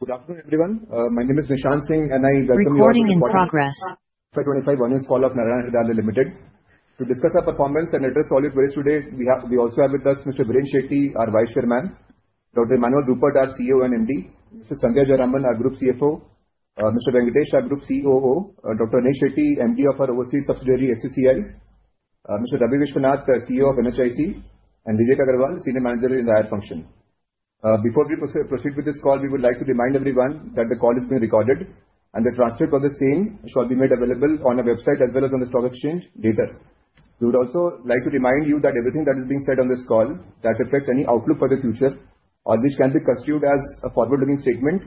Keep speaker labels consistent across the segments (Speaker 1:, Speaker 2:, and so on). Speaker 1: Good afternoon, everyone. My name is Nishant Singh, and I welcome you all to our 2025 Earnings Call of Narayana Hrudayalaya Limited. To discuss our performance and address all your queries today, we also have with us Mr. Viren Shetty, our Vice Chairman, Dr. Emmanuel Rupert, our CEO and MD, Ms. Sandhya J, our Group CFO, Mr. Venkatesh R., our Group COO, Dr. Aneesh Shetty, MD of our Overseas Subsidiary, HCCI, Mr. Ravi Vishwanath, CEO of NHIC, and Vijay Aggarwal, Senior Manager in the Investor Relations function. Before we proceed with this call, we would like to remind everyone that the call is being recorded, and the transcript of the same shall be made available on our website as well as on the Stock Exchange later. We would also like to remind you that everything that is being said on this call, that reflects any outlook for the future, or which can be construed as a forward-looking statement,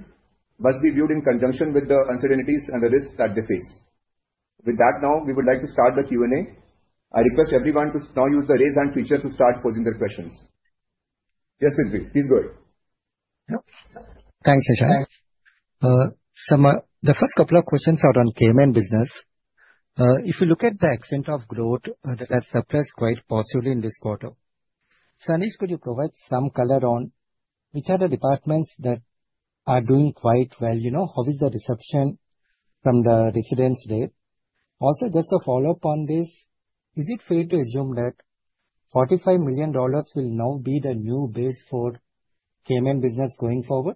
Speaker 1: must be viewed in conjunction with the uncertainties and the risks that they face. With that, now, we would like to start the Q&A. I request everyone to now use the raise hand feature to start posing their questions. Yes, Prithvi, he's good.
Speaker 2: Thanks, Nishant. The first couple of questions are on Cayman Business. If you look at the extent of growth that has surprised quite positively in this quarter, Aneesh, could you provide some color on which are the departments that are doing quite well? You know, how is the reception from the residents there? Also, just a follow-up on this, is it fair to assume that $45 million will now be the new base for Cayman Business going forward?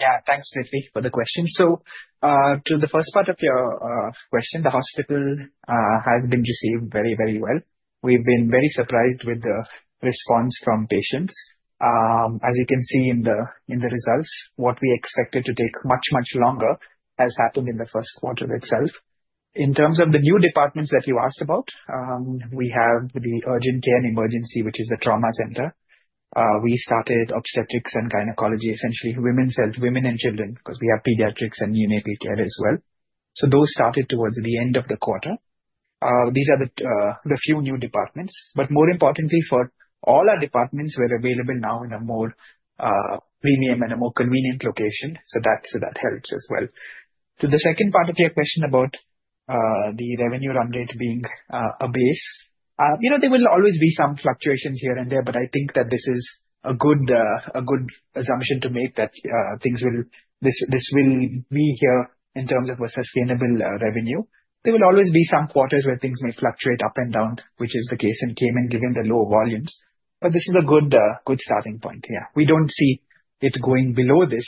Speaker 3: Yeah, thanks, Prithvi, for the question. So to the first part of your question, the hospital has been received very, very well. We've been very surprised with the response from patients. As you can see in the results, what we expected to take much, much longer has happened in the first quarter itself. In terms of the new departments that you asked about, we have the Urgent Care and Emergency, which is the trauma center. We started Obstetrics and Gynecology, essentially Women's Health, Women and Children, because we have Pediatrics and Neonatal Care as well. So those started towards the end of the quarter. These are the few new departments. But more importantly, for all our departments, we're available now in a more premium and a more convenient location. So that helps as well. To the second part of your question about the revenue run rate being a base, you know, there will always be some fluctuations here and there, but I think that this is a good assumption to make that things will, this will be here in terms of a sustainable revenue. There will always be some quarters where things may fluctuate up and down, which is the case in Cayman given the low volumes. But this is a good starting point. Yeah, we don't see it going below this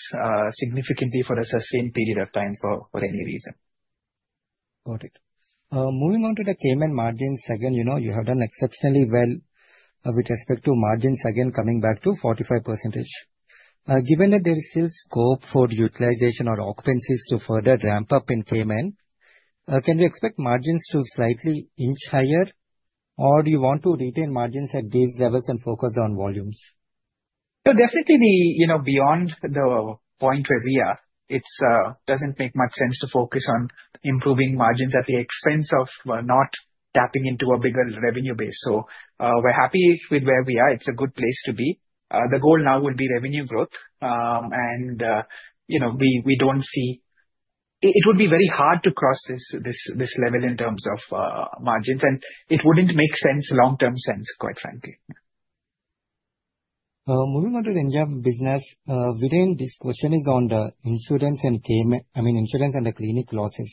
Speaker 3: significantly for a sustained period of time for any reason.
Speaker 4: Got it. Moving on to the Cayman margins again, you know, you have done exceptionally well with respect to margins again coming back to 45%. Given that there is still scope for utilization or occupancies to further ramp up in Cayman, can we expect margins to slightly inch higher, or do you want to retain margins at these levels and focus on volumes?
Speaker 3: So definitely, you know, beyond the point where we are, it doesn't make much sense to focus on improving margins at the expense of not tapping into a bigger revenue base. So we're happy with where we are. It's a good place to be. The goal now will be revenue growth. And, you know, we don't see, it would be very hard to cross this level in terms of margins. And it wouldn't make sense, long-term sense, quite frankly.
Speaker 2: Moving on to the India business, Viren, this question is on the insurance and Cayman, I mean, insurance and the clinic losses.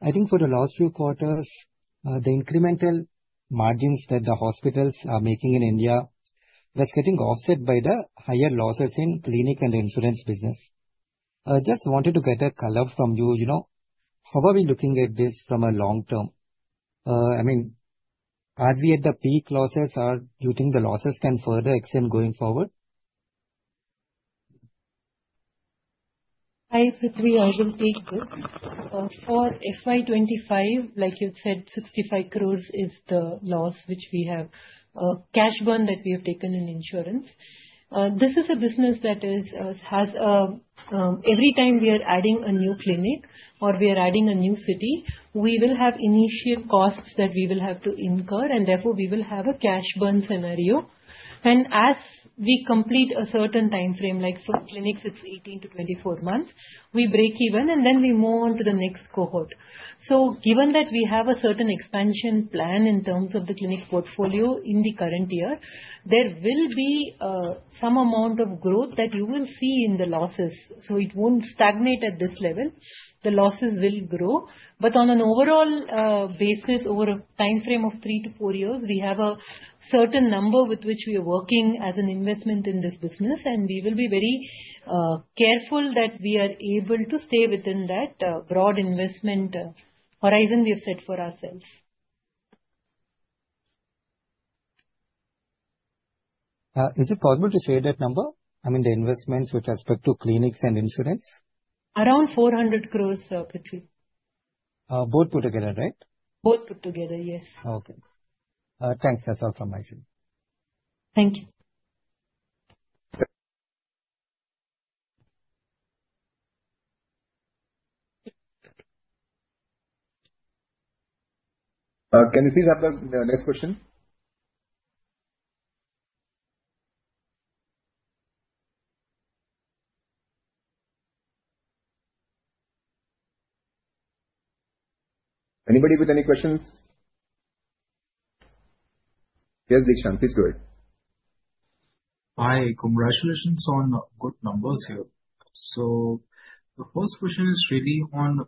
Speaker 2: I think for the last few quarters, the incremental margins that the hospitals are making in India that's getting offset by the higher losses in clinic and insurance business. Just wanted to get a color from you, you know, how are we looking at this from a long term? I mean, are we at the peak losses, or do you think the losses can further extend going forward?
Speaker 5: Hi, Prithvi. I will take this. For FY25, like you said, 65 crores is the loss which we have, cash burn that we have taken in insurance. This is a business that has a, every time we are adding a new clinic or we are adding a new city, we will have initial costs that we will have to incur, and therefore we will have a cash burn scenario, and as we complete a certain time frame, like for clinics, it's 18 months-24 months, we break even, and then we move on to the next cohort. So given that we have a certain expansion plan in terms of the clinic portfolio in the current year, there will be some amount of growth that you will see in the losses, so it won't stagnate at this level. The losses will grow. But on an overall basis, over a time frame of three to four years, we have a certain number with which we are working as an investment in this business, and we will be very careful that we are able to stay within that broad investment horizon we have set for ourselves.
Speaker 2: Is it possible to say that number? I mean, the investments with respect to clinics and insurance?
Speaker 5: Around 400 crores, Prithvi.
Speaker 2: Both put together, right?
Speaker 5: Both put together, yes.
Speaker 2: Okay. Thanks. That's all from my side.
Speaker 5: Thank you.
Speaker 1: Can you please have the next question? Anybody with any questions? Yes, Dishant, please go ahead.
Speaker 2: Hi, congratulations on good numbers here. So the first question is really on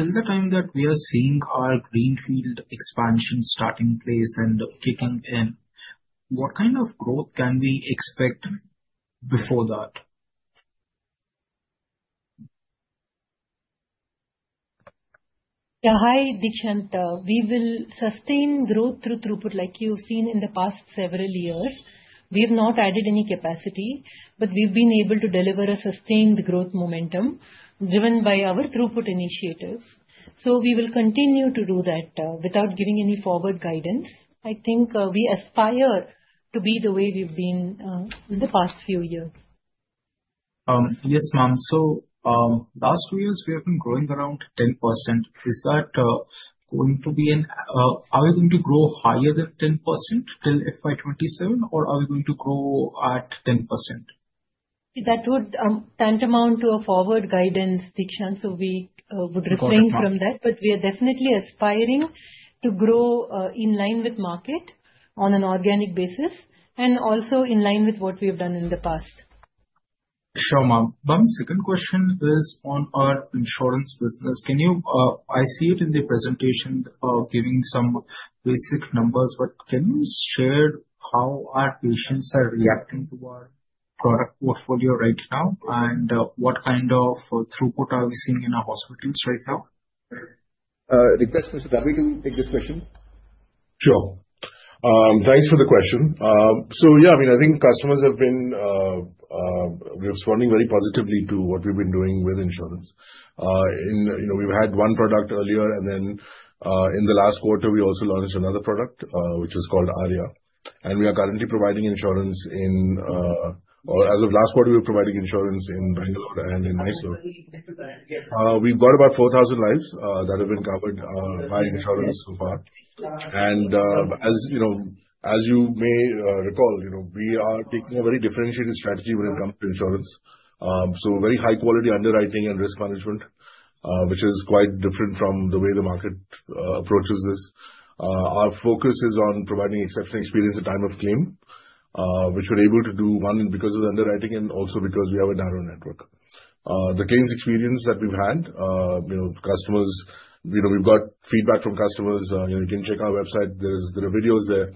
Speaker 2: till the time that we are seeing our greenfield expansion start in place and kicking in, what kind of growth can we expect before that?
Speaker 5: Yeah, hi, Dishant. We will sustain growth through throughput, like you've seen in the past several years. We have not added any capacity, but we've been able to deliver a sustained growth momentum driven by our throughput initiatives. So we will continue to do that without giving any forward guidance. I think we aspire to be the way we've been in the past few years.
Speaker 2: Yes, ma'am. So last two years, we have been growing around 10%. Is that going to be, are we going to grow higher than 10% till FY27, or are we going to grow at 10%?
Speaker 5: That would tantamount to a forward guidance, Dishant. So we would refrain from that. But we are definitely aspiring to grow in line with market on an organic basis, and also in line with what we have done in the past.
Speaker 2: Sure, ma'am. Ma'am, second question is on our insurance business. Can you, I see it in the presentation giving some basic numbers, but can you share how our patients are reacting to our product portfolio right now, and what kind of throughput are we seeing in our hospitals right now?
Speaker 1: Rikesh, Mr. Ravi, do you take this question?
Speaker 6: Sure. Thanks for the question. So yeah, I mean, I think customers have been responding very positively to what we've been doing with insurance. You know, we've had one product earlier, and then in the last quarter, we also launched another product, which is called Aria. And we are currently providing insurance in, or as of last quarter, we were providing insurance in Bangalore and in Mysore. We've got about 4,000 lives that have been covered by insurance so far. And as you may recall, you know, we are taking a very differentiated strategy when it comes to insurance. So very high-quality underwriting and risk management, which is quite different from the way the market approaches this. Our focus is on providing exceptional experience at time of claim, which we're able to do, one, because of the underwriting and also because we have a narrow network. The claims experience that we've had, you know, customers, you know, we've got feedback from customers. You can check our website. There are videos there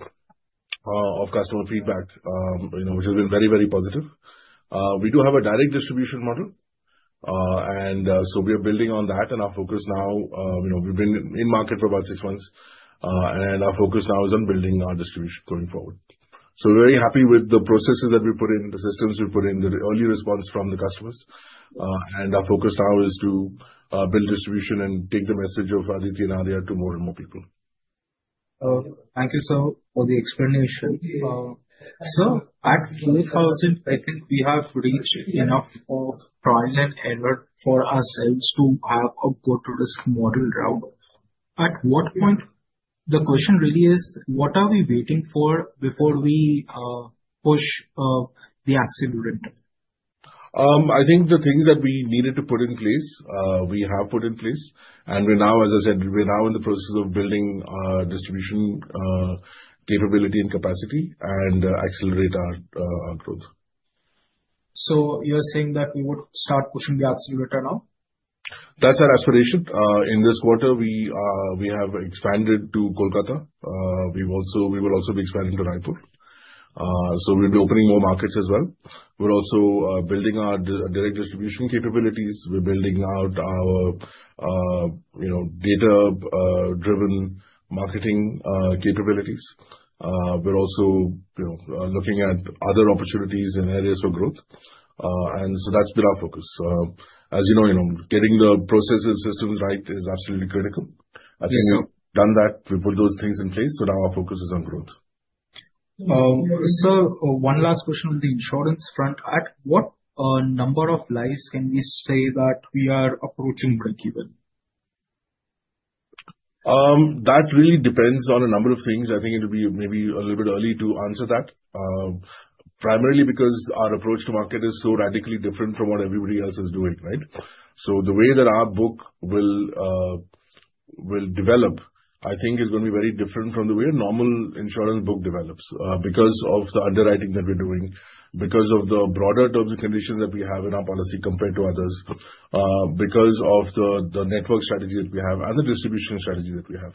Speaker 6: of customer feedback, you know, which has been very, very positive. We do have a direct distribution model, and so we are building on that. Our focus now, you know, we've been in market for about six months. Our focus now is on building our distribution going forward. We're very happy with the processes that we put in, the systems we put in, the early response from the customers. Our focus now is to build distribution and take the message of Aditi and Aria to more and more people.
Speaker 2: Thank you so much for the explanation. So at 4,000, I think we have reached enough of trial and error for ourselves to have a go-to-risk model around. At what point? The question really is, what are we waiting for before we push the accelerator?
Speaker 6: I think the things that we needed to put in place, we have put in place, and we're now, as I said, we're now in the process of building distribution capability and capacity and accelerate our growth.
Speaker 2: So you're saying that we would start pushing the accelerator now?
Speaker 6: That's our aspiration. In this quarter, we have expanded to Kolkata. We will also be expanding to Raipur. So we'll be opening more markets as well. We're also building our direct distribution capabilities. We're building out our, you know, data-driven marketing capabilities. We're also, you know, looking at other opportunities and areas for growth. And so that's been our focus. As you know, you know, getting the processes and systems right is absolutely critical. I think we've done that. We've put those things in place. So now our focus is on growth.
Speaker 2: So one last question on the insurance front. At what number of lives can we say that we are approaching breakeven?
Speaker 6: That really depends on a number of things. I think it'll be maybe a little bit early to answer that, primarily because our approach to market is so radically different from what everybody else is doing, right? So the way that our book will develop, I think, is going to be very different from the way a normal insurance book develops because of the underwriting that we're doing, because of the broader terms and conditions that we have in our policy compared to others, because of the network strategy that we have and the distribution strategy that we have.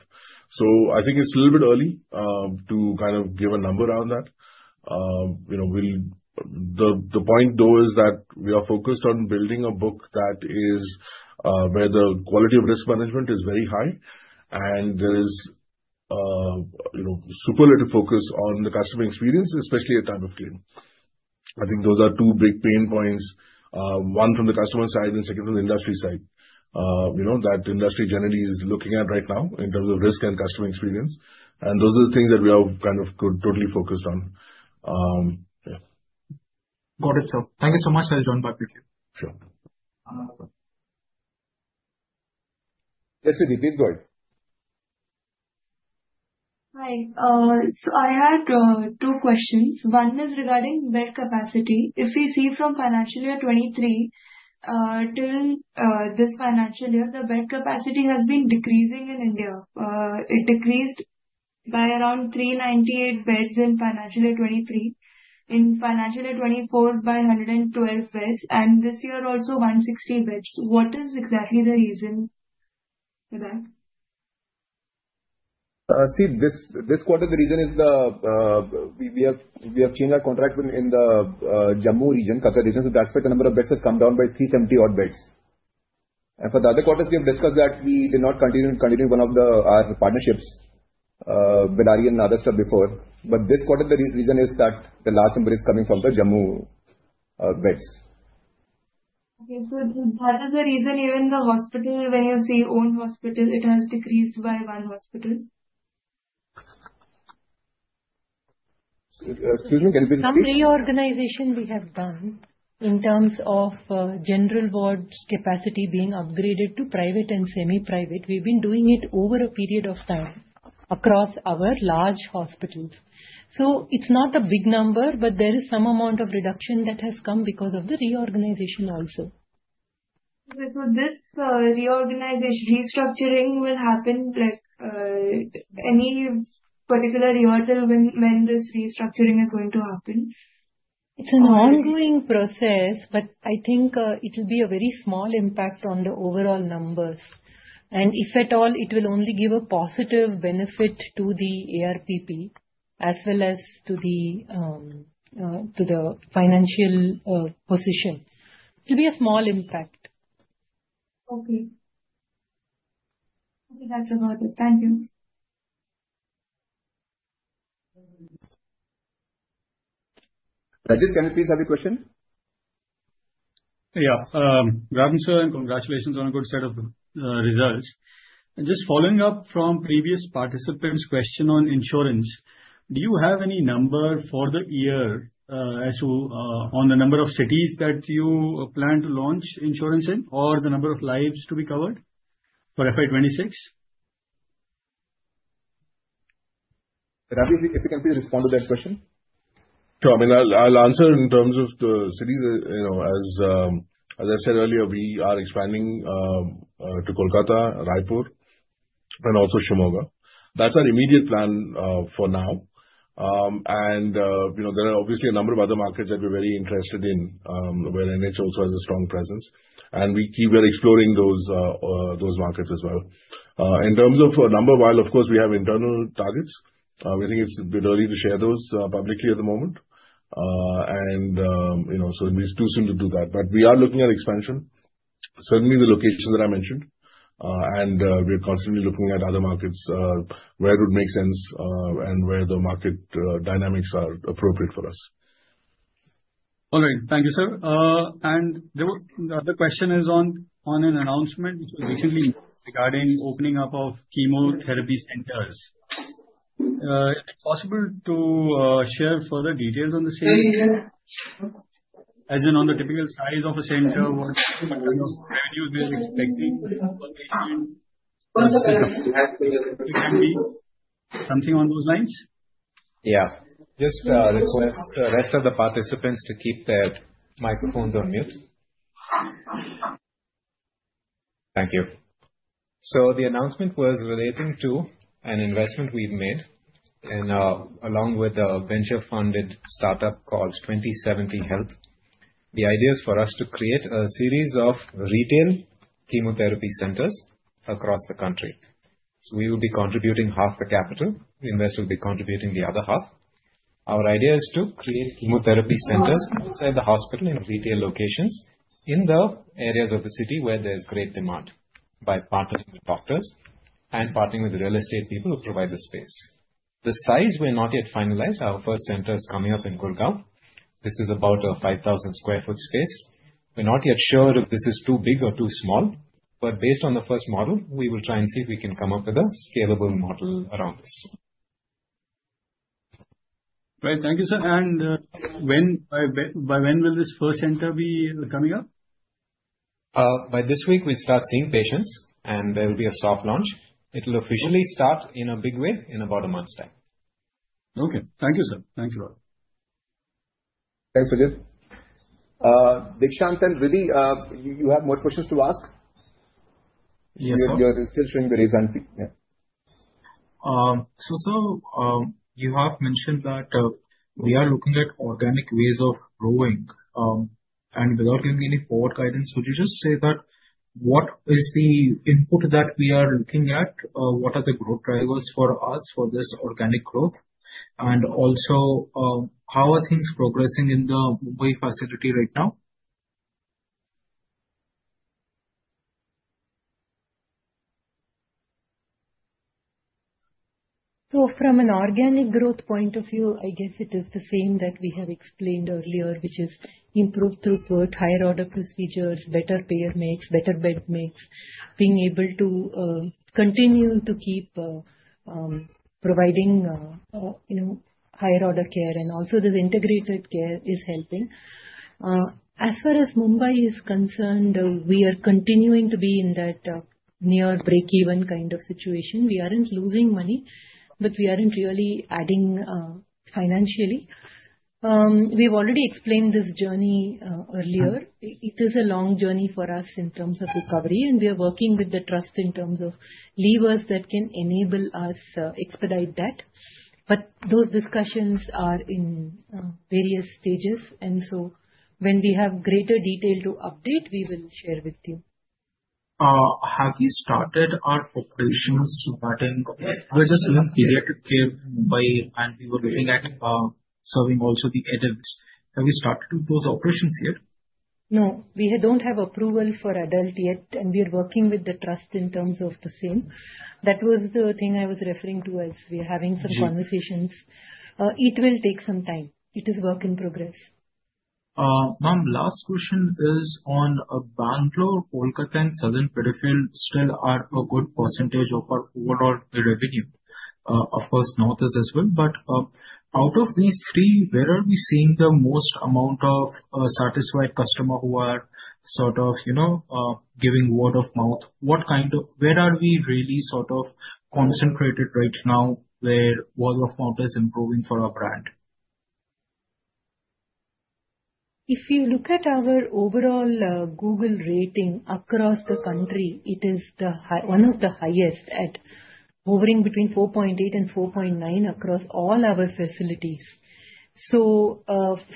Speaker 6: So I think it's a little bit early to kind of give a number on that. You know, the point, though, is that we are focused on building a book that is where the quality of risk management is very high, and there is, you know, super little focus on the customer experience, especially at time of claim. I think those are two big pain points, one from the customer side and second from the industry side. You know, that industry generally is looking at right now in terms of risk and customer experience, and those are the things that we have kind of totally focused on.
Speaker 2: Got it, sir. Thank you so much, Sir John Bhatt, Prithvi.
Speaker 6: Sure.
Speaker 1: Yes, Prithvi, please go ahead.
Speaker 7: Hi. So I had two questions. One is regarding bed capacity. If we see from financial year 2023 till this financial year, the bed capacity has been decreasing in India. It decreased by around 398 beds in financial year 2023, in financial year 2024 by 112 beds, and this year also 160 beds. What is exactly the reason for that?
Speaker 6: See, this quarter, the reason is that we have changed our contract in the Jammu region, Katra region. So that's why the number of beds has come down by 370-odd beds. For the other quarters, we have discussed that we did not continue one of our partnerships with Aria and other stuff before. But this quarter, the reason is that the last number is coming from the Jammu beds.
Speaker 7: Okay. So what is the reason even the hospital, when you say own hospital, it has decreased by one hospital?
Speaker 6: Excuse me, can you please?
Speaker 5: Some reorganization we have done in terms of general wards capacity being upgraded to private and semi-private. We've been doing it over a period of time across our large hospitals. So it's not a big number, but there is some amount of reduction that has come because of the reorganization also.
Speaker 7: So, this reorganization restructuring will happen in any particular year till when this restructuring is going to happen?
Speaker 5: It's an ongoing process, but I think it will be a very small impact on the overall numbers, and if at all, it will only give a positive benefit to the ARPP as well as to the financial position. It'll be a small impact.
Speaker 7: Okay. Okay, that's about it. Thank you.
Speaker 1: Rajesh, can you please have a question?
Speaker 2: Yeah. Ravi, sir, and congratulations on a good set of results and just following up from previous participants' question on insurance, do you have any number for the year as to on the number of cities that you plan to launch insurance in or the number of lives to be covered for FY26?
Speaker 1: Ravi, if you can please respond to that question.
Speaker 6: Sure. I mean, I'll answer in terms of the cities. You know, as I said earlier, we are expanding to Kolkata, Raipur, and also Shimoga. That's our immediate plan for now. And, you know, there are obviously a number of other markets that we're very interested in where NH also has a strong presence. And we keep exploring those markets as well. In terms of number, while of course we have internal targets, we think it's a bit early to share those publicly at the moment. And, you know, so we're too soon to do that. But we are looking at expansion. Certainly the locations that I mentioned. And we're constantly looking at other markets where it would make sense and where the market dynamics are appropriate for us.
Speaker 8: All right. Thank you, sir. And the other question is on an announcement which was recently made regarding opening up of chemotherapy centers. Is it possible to share further details on the same? As in on the typical size of a center, what kind of revenues we're expecting per patient? Something on those lines?
Speaker 1: Yeah. Just request the rest of the participants to keep their microphones on mute.
Speaker 6: Thank you. So the announcement was relating to an investment we've made along with a venture-funded startup called 2070 Health. The idea is for us to create a series of retail chemotherapy centers across the country. So we will be contributing half the capital. The investor will be contributing the other half. Our idea is to create chemotherapy centers outside the hospital in retail locations in the areas of the city where there's great demand by partnering with doctors and partnering with real estate people who provide the space. The size we're not yet finalized. Our first center is coming up in Gurgaon. This is about a 5,000 sq ft space. We're not yet sure if this is too big or too small. But based on the first model, we will try and see if we can come up with a scalable model around this.
Speaker 8: Great. Thank you, sir. And by when will this first center be coming up?
Speaker 6: By this week, we'll start seeing patients, and there will be a soft launch. It'll officially start in a big way in about a month's time.
Speaker 8: Okay. Thank you, sir. Thank you all.
Speaker 1: Thanks, Rajesh. Dishant and Rishit, you have more questions to ask?
Speaker 2: Yes.
Speaker 1: You're still showing the raise hand, Prithvi. Yeah.
Speaker 2: So, sir, you have mentioned that we are looking at organic ways of growing. And without giving any forward guidance, would you just say that what is the input that we are looking at? What are the growth drivers for us for this organic growth? And also, how are things progressing in the Mumbai facility right now?
Speaker 5: From an organic growth point of view, I guess it is the same that we have explained earlier, which is improved throughput, higher-order procedures, better payer mix, better bed mix, being able to continue to keep providing, you know, higher-order care. And also the integrated care is helping. As far as Mumbai is concerned, we are continuing to be in that near breakeven kind of situation. We aren't losing money, but we aren't really adding financially. We've already explained this journey earlier. It is a long journey for us in terms of recovery. And we are working with the trust in terms of levers that can enable us to expedite that. But those discussions are in various stages. And so when we have greater detail to update, we will share with you.
Speaker 2: Have you started your operations regarding the pediatric care in Mumbai, and we were looking at serving also the adults? Have you started those operations yet?
Speaker 5: No, we don't have approval for adult yet, and we are working with the trust in terms of the same. That was the thing I was referring to as we're having some conversations. It will take some time. It is a work in progress.
Speaker 2: Ma'am, last question is on Bangalore, Kolkata, and Southern Peripheral still are a good percentage of our overall revenue. Of course, North is as well. But out of these three, where are we seeing the most amount of satisfied customers who are sort of, you know, giving word of mouth? What kind of where are we really sort of concentrated right now where word of mouth is improving for our brand?
Speaker 5: If you look at our overall Google rating across the country, it is one of the highest at hovering between 4.8 and 4.9 across all our facilities, so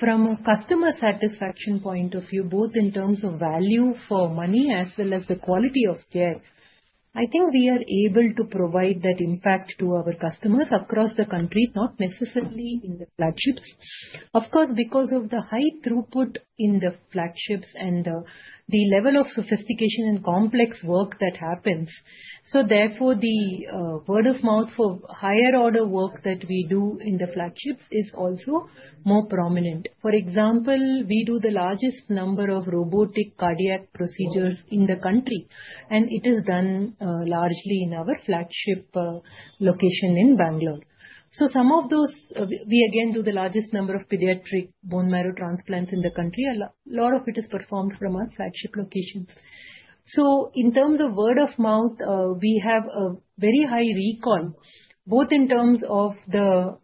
Speaker 5: from a customer satisfaction point of view, both in terms of value for money as well as the quality of care, I think we are able to provide that impact to our customers across the country, not necessarily in the flagships, of course because of the high throughput in the flagships and the level of sophistication and complex work that happens, so therefore the word of mouth for higher order work that we do in the flagships is also more prominent. For example, we do the largest number of robotic cardiac procedures in the country, and it is done largely in our flagship location in Bangalore. So some of those, we again do the largest number of pediatric bone marrow transplants in the country. A lot of it is performed from our flagship locations. So in terms of word of mouth, we have a very high recall, both in terms of the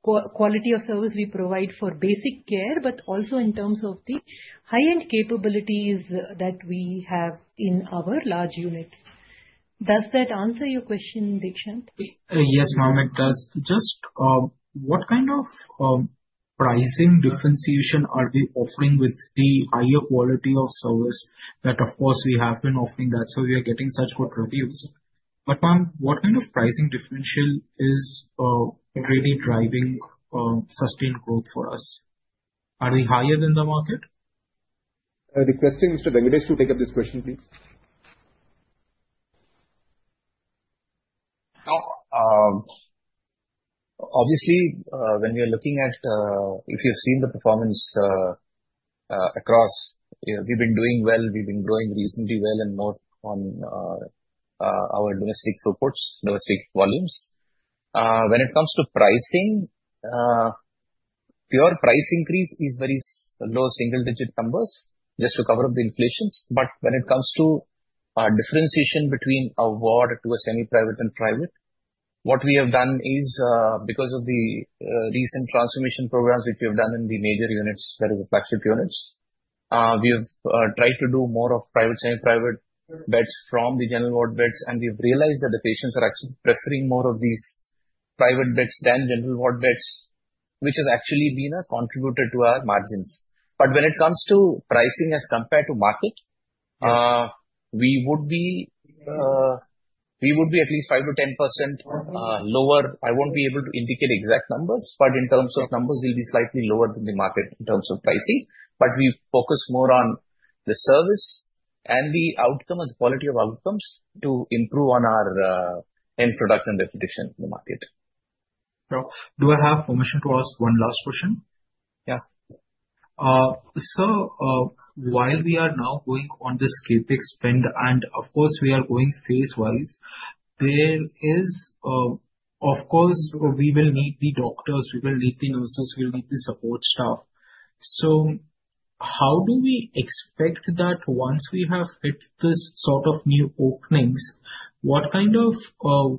Speaker 5: quality of service we provide for basic care, but also in terms of the high-end capabilities that we have in our large units. Does that answer your question, Dishant?
Speaker 2: Yes, Ma'am, it does. Just what kind of pricing differentiation are we offering with the higher quality of service that, of course, we have been offering that? So we are getting such good reviews. But Ma'am, what kind of pricing differential is really driving sustained growth for us? Are we higher than the market?
Speaker 1: Requesting Mr. Rupert to take up this question, please.
Speaker 4: Obviously, when we are looking at if you've seen the performance across, we've been doing well. We've been growing reasonably well and more on our domestic throughputs, domestic volumes. When it comes to pricing, pure price increase is very low single-digit numbers just to cover up the inflations. But when it comes to differentiation between a ward to a semi-private and private, what we have done is because of the recent transformation programs which we have done in the major units, that is, the flagship units, we have tried to do more of private semi-private beds from the general ward beds. And we've realized that the patients are actually preferring more of these private beds than general ward beds, which has actually been a contributor to our margins. But when it comes to pricing as compared to market, we would be at least 5%-10% lower. I won't be able to indicate exact numbers, but in terms of numbers, we'll be slightly lower than the market in terms of pricing. But we focus more on the service and the outcome and the quality of outcomes to improve on our end product and reputation in the market.
Speaker 2: Now, do I have permission to ask one last question?
Speaker 4: Yeah.
Speaker 2: Sir, while we are now going on this CapEx spend, and of course, we are going phase-wise, there is, of course, we will need the doctors. We will need the nurses. We'll need the support staff. So how do we expect that once we have hit this sort of new openings, what kind of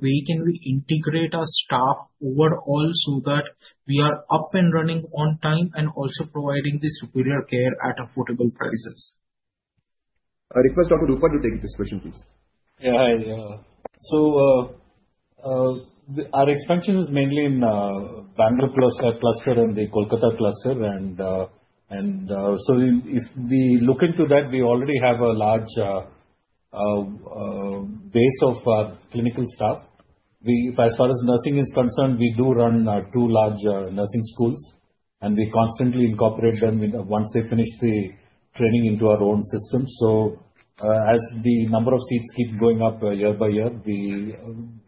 Speaker 2: way can we integrate our staff overall so that we are up and running on time and also providing this superior care at affordable prices?
Speaker 1: I request Dr. Rupert to take this question, please.
Speaker 4: Yeah. So our expansion is mainly in Bangalore cluster and the Kolkata cluster. And so if we look into that, we already have a large base of clinical staff. As far as nursing is concerned, we do run two large nursing schools. And we constantly incorporate them once they finish the training into our own system. So as the number of seats keep going up year by year,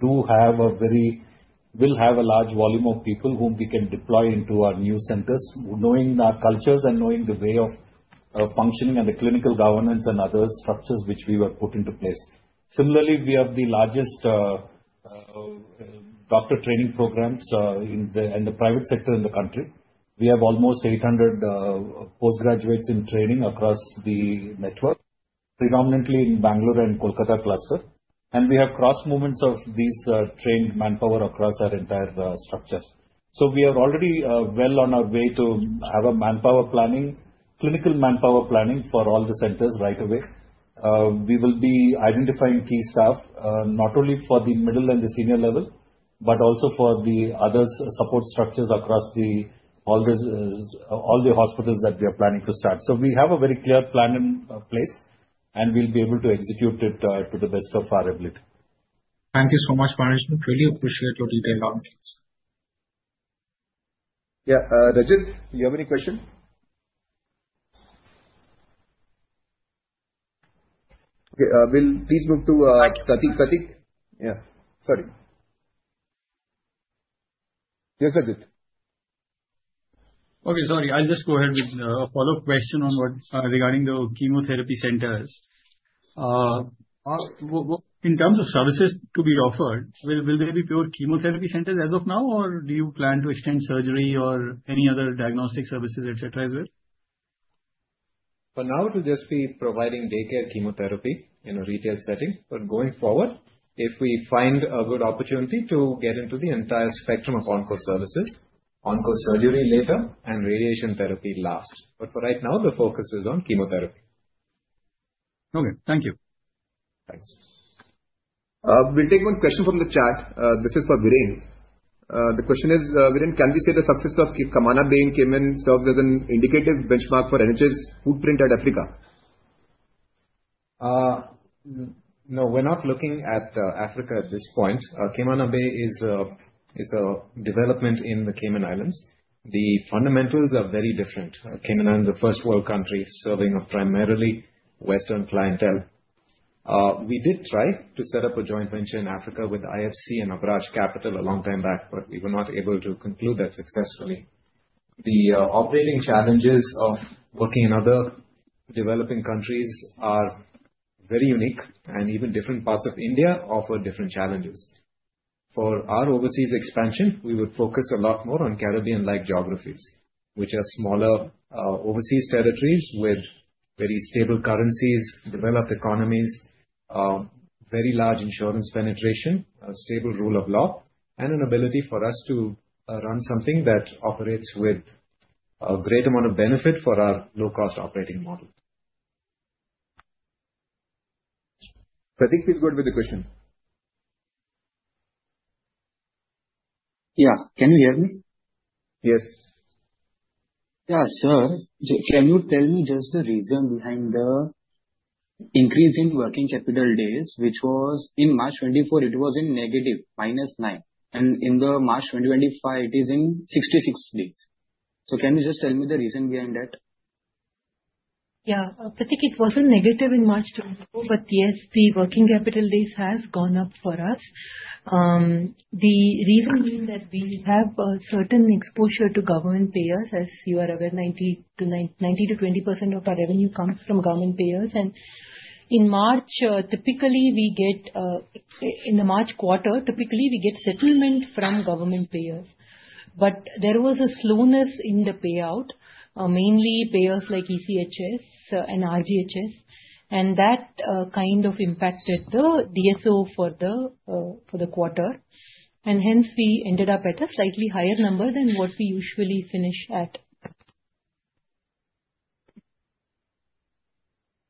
Speaker 4: we'll have a large volume of people whom we can deploy into our new centers, knowing our cultures and knowing the way of functioning and the clinical governance and other structures which we were put into place. Similarly, we have the largest doctor training programs in the private sector in the country. We have almost 800 postgraduates in training across the network, predominantly in Bangalore and Kolkata cluster. And we have cross movements of these trained manpower across our entire structure. So we are already well on our way to have a manpower planning, clinical manpower planning for all the centers right away. We will be identifying key staff not only for the middle and the senior level, but also for the other support structures across all the hospitals that we are planning to start. So we have a very clear plan in place, and we'll be able to execute it to the best of our ability.
Speaker 2: Thank you so much, Maharaj. Really appreciate your detailed answers.
Speaker 1: Yeah. Rishit, do you have any question? Okay. We'll please move to Pratik. Pratik. Yeah. Sorry. Yes, Rishit.
Speaker 2: Okay. Sorry. I'll just go ahead with a follow-up question regarding the chemotherapy centers. In terms of services to be offered, will there be pure chemotherapy centers as of now, or do you plan to extend surgery or any other diagnostic services, et cetera, as well?
Speaker 4: For now, it will just be providing daycare chemotherapy in a retail setting. But going forward, if we find a good opportunity to get into the entire spectrum of oncology services, oncology surgery later, and radiation therapy last. But for right now, the focus is on chemotherapy.
Speaker 2: Okay. Thank you.
Speaker 4: Thanks.
Speaker 1: We'll take one question from the chat. This is for Viren. The question is, Viren, can we say the success of Camana Bay in Cayman Islands serves as an indicative benchmark for NH's footprint in Africa?
Speaker 4: No, we're not looking at Africa at this point. Camana Bay is a development in the Cayman Islands. The fundamentals are very different. Cayman Islands are a first-world country serving primarily Western clientele. We did try to set up a joint venture in Africa with IFC and Abraaj Capital a long time back, but we were not able to conclude that successfully. The operating challenges of working in other developing countries are very unique, and even different parts of India offer different challenges. For our overseas expansion, we would focus a lot more on Caribbean-like geographies, which are smaller overseas territories with very stable currencies, developed economies, very large insurance penetration, a stable rule of law, and an ability for us to run something that operates with a great amount of benefit for our low-cost operating model.
Speaker 1: Pratik, please go ahead with the question.
Speaker 4: Yeah. Can you hear me?
Speaker 1: Yes.
Speaker 4: Yeah, sir. Can you tell me just the reason behind the increase in working capital days, which was in March 2024, it was in negative, -9, and in March 2025, it is in 66 days, so can you just tell me the reason behind that?
Speaker 5: Yeah. Pratik, it wasn't negative in March 2024, but yes, the working capital days have gone up for us. The reason being that we have a certain exposure to government payers. As you are aware, 90% to 20% of our revenue comes from government payers. And in March, typically, we get in the March quarter, typically, we get settlement from government payers. But there was a slowness in the payout, mainly payers like ECHS and RGHS. And that kind of impacted the DSO for the quarter. And hence, we ended up at a slightly higher number than what we usually finish at.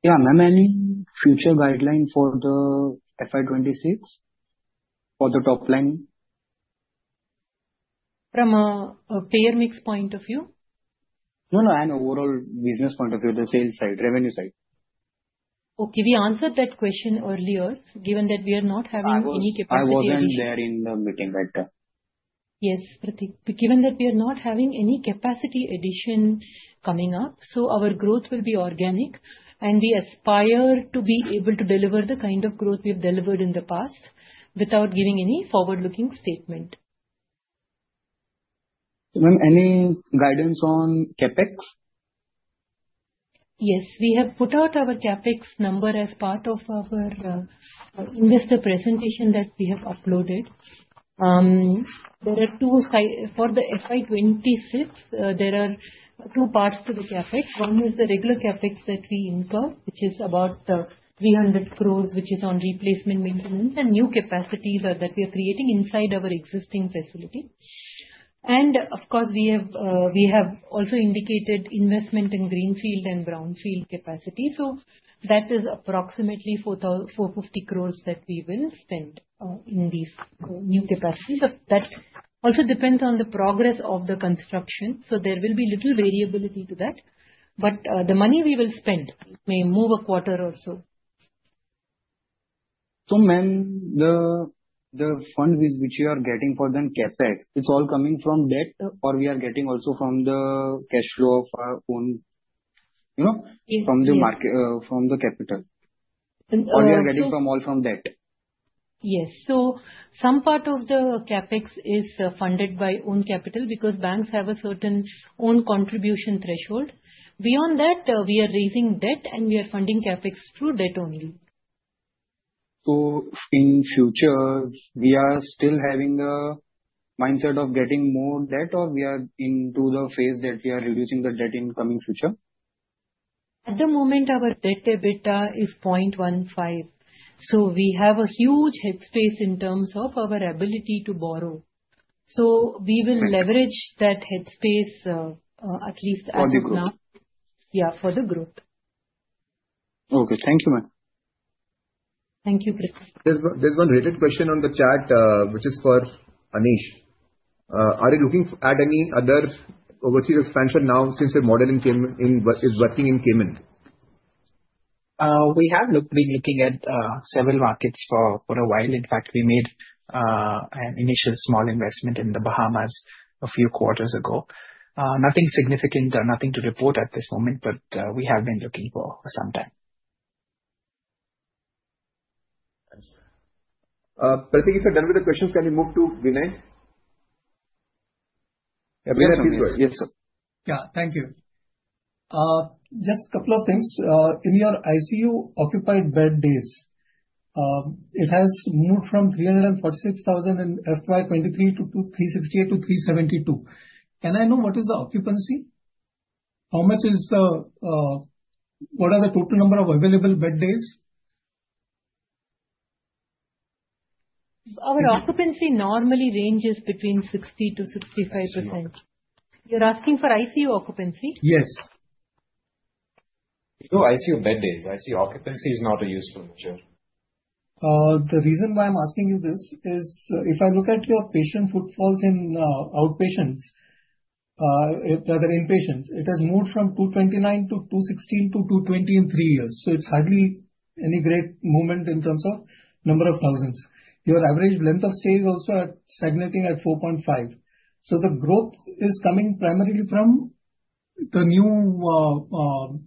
Speaker 2: Yeah. Ma'am, any future guidance for FY26 for the top line?
Speaker 5: From a payer mix point of view?
Speaker 4: No, no. And overall business point of view, the sales side, revenue side.
Speaker 5: Okay. We answered that question earlier, given that we are not having any capacity addition.
Speaker 4: I wasn't there in the meeting right now.
Speaker 5: Yes, Pratik. Given that we are not having any capacity addition coming up, so our growth will be organic. And we aspire to be able to deliver the kind of growth we've delivered in the past without giving any forward-looking statement.
Speaker 2: Ma'am, any guidance on CapEx?
Speaker 5: Yes. We have put out our CapEx number as part of our investor presentation that we have uploaded. There are two for the FY26, there are two parts to the CapEx. One is the regular CapEx that we incur, which is about 300 crores, which is on replacement maintenance and new capacities that we are creating inside our existing facility. And of course, we have also indicated investment in greenfield and brownfield capacity. So that is approximately 450 crores that we will spend in these new capacities. That also depends on the progress of the construction. So there will be little variability to that. But the money we will spend may move a quarter or so.
Speaker 2: So Ma'am, the fund which we are getting for the CapEx, it's all coming from debt, or we are getting also from the cash flow of our own from the capital, or we are getting all from debt?
Speaker 5: Yes. So some part of the CapEx is funded by own capital because banks have a certain own contribution threshold. Beyond that, we are raising debt, and we are funding CapEx through debt only.
Speaker 2: So in future, we are still having the mindset of getting more debt, or we are into the phase that we are reducing the debt in coming future?
Speaker 5: At the moment, our debt EBITDA is 0.15. So we have a huge headspace in terms of our ability to borrow. So we will leverage that headspace at least for now.
Speaker 2: For the growth?
Speaker 5: Yeah, for the growth.
Speaker 2: Okay. Thank you, Ma'am.
Speaker 5: Thank you, Pratik.
Speaker 8: There's one related question on the chat, which is for Aneesh. Are you looking at any other overseas expansion now since the model is working in Cayman?
Speaker 4: We have been looking at several markets for a while. In fact, we made an initial small investment in the Bahamas a few quarters ago. Nothing significant or nothing to report at this moment, but we have been looking for some time.
Speaker 1: Thanks, sir. Pratik, if you're done with the questions, can we move to Viren? Yeah, please go ahead.
Speaker 9: Yes, sir. Yeah. Thank you. Just a couple of things. In your ICU occupied bed days, it has moved from 346,000 in FY23 to 368,000 to 372,000. Can I know what is the occupancy? What are the total number of available bed days?
Speaker 5: Our occupancy normally ranges between 60%-65%. You're asking for ICU occupancy?
Speaker 9: Yes.
Speaker 4: No ICU bed days. ICU occupancy is not a useful measure.
Speaker 9: The reason why I'm asking you this is if I look at your patient footfalls in outpatients, rather inpatients, it has moved from 229 to 216 to 220 in three years. So it's hardly any great movement in terms of number of thousands. Your average length of stay is also stagnating at 4.5. So the growth is coming primarily from the new, what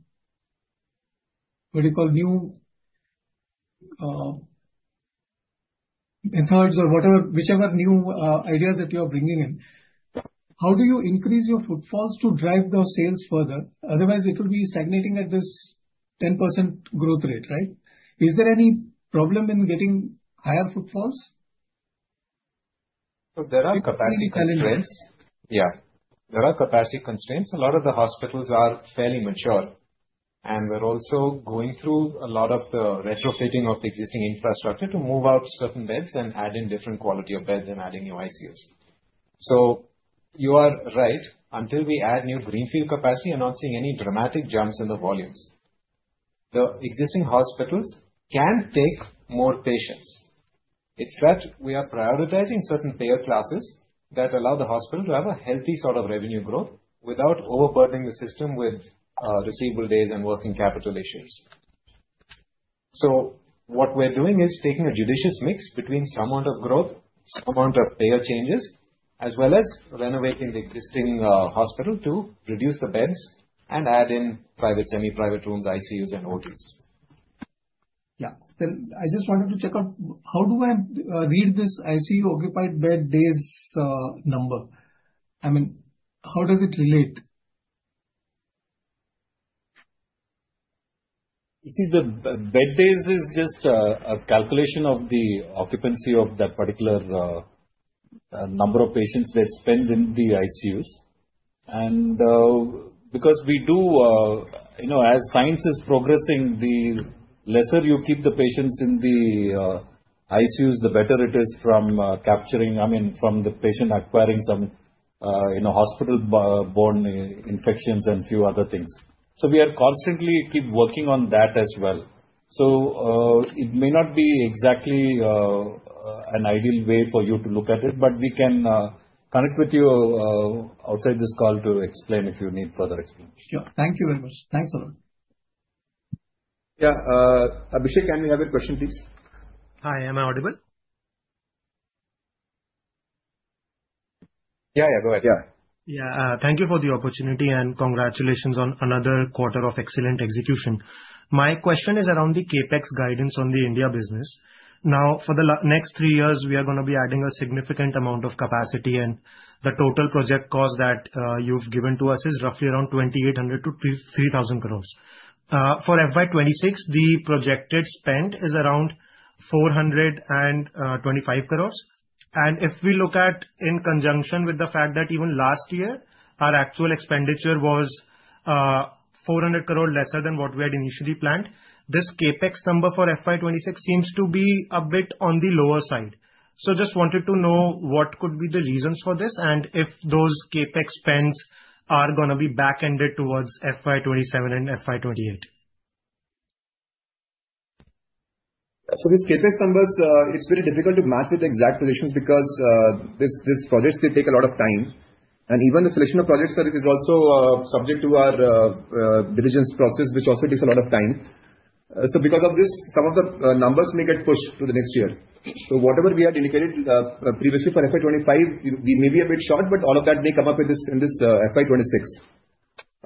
Speaker 9: do you call, new methods or whichever new ideas that you are bringing in. How do you increase your footfalls to drive the sales further? Otherwise, it will be stagnating at this 10% growth rate, right? Is there any problem in getting higher footfalls?
Speaker 4: There are capacity constraints.
Speaker 9: You can tell me.
Speaker 4: Yeah. There are capacity constraints. A lot of the hospitals are fairly mature. And we're also going through a lot of the retrofitting of existing infrastructure to move out certain beds and add in different quality of beds and add in new ICUs. So you are right. Until we add new greenfield capacity, we're not seeing any dramatic jumps in the volumes. The existing hospitals can take more patients. It's that we are prioritizing certain payer classes that allow the hospital to have a healthy sort of revenue growth without overburdening the system with receivable days and working capital issues. So what we're doing is taking a judicious mix between some amount of growth, some amount of payer changes, as well as renovating the existing hospital to reduce the beds and add in private, semi-private rooms, ICUs, and OTs.
Speaker 9: Yeah. Then I just wanted to check out how do I read this ICU occupied bed days number? I mean, how does it relate?
Speaker 4: You see, the bed days is just a calculation of the occupancy of that particular number of patients that spend in the ICUs. And because we do, as science is progressing, the lesser you keep the patients in the ICUs, the better it is from capturing, I mean, from the patient acquiring some hospital-borne infections and a few other things. So we are constantly keep working on that as well. So it may not be exactly an ideal way for you to look at it, but we can connect with you outside this call to explain if you need further explanation.
Speaker 9: Sure. Thank you very much. Thanks a lot.
Speaker 1: Yeah. Abhishek, can we have your question, please?
Speaker 10: Hi. Am I audible?
Speaker 1: Yeah, yeah. Go ahead.
Speaker 10: Yeah. Thank you for the opportunity and congratulations on another quarter of excellent execution. My question is around the CapEx guidance on the India business. Now, for the next three years, we are going to be adding a significant amount of capacity. And the total project cost that you've given to us is roughly around 2,800 crores-3,000 crores. For FY26, the projected spend is around 425 crores. And if we look at in conjunction with the fact that even last year, our actual expenditure was 400 crores lesser than what we had initially planned, this CapEx number for FY26 seems to be a bit on the lower side. So just wanted to know what could be the reasons for this and if those CapEx spends are going to be back-ended towards FY27 and FY28.
Speaker 6: Yeah. So these CapEx numbers, it's very difficult to match with the exact positions because these projects, they take a lot of time. And even the selection of projects is also subject to our diligence process, which also takes a lot of time. So because of this, some of the numbers may get pushed to the next year. So whatever we had indicated previously for FY25, we may be a bit short, but all of that may come up in this FY26.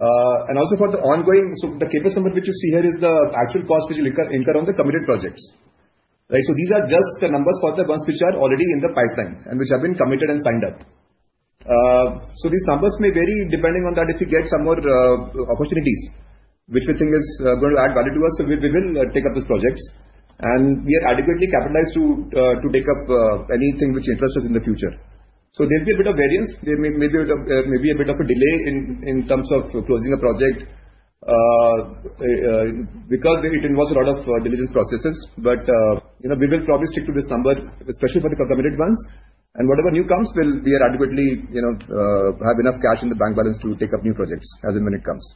Speaker 6: And also for the ongoing, so the CapEx number which you see here is the actual cost which is incurred on the committed projects, right? So these are just the numbers for the ones which are already in the pipeline and which have been committed and signed up. These numbers may vary depending on that if we get some more opportunities, which we think is going to add value to us. We will take up these projects. We are adequately capitalized to take up anything which interests us in the future. There will be a bit of variance. There may be a bit of a delay in terms of closing a project because it involves a lot of diligence processes. We will probably stick to this number, especially for the committed ones. Whatever new comes, we will adequately have enough cash in the bank balance to take up new projects as and when it comes.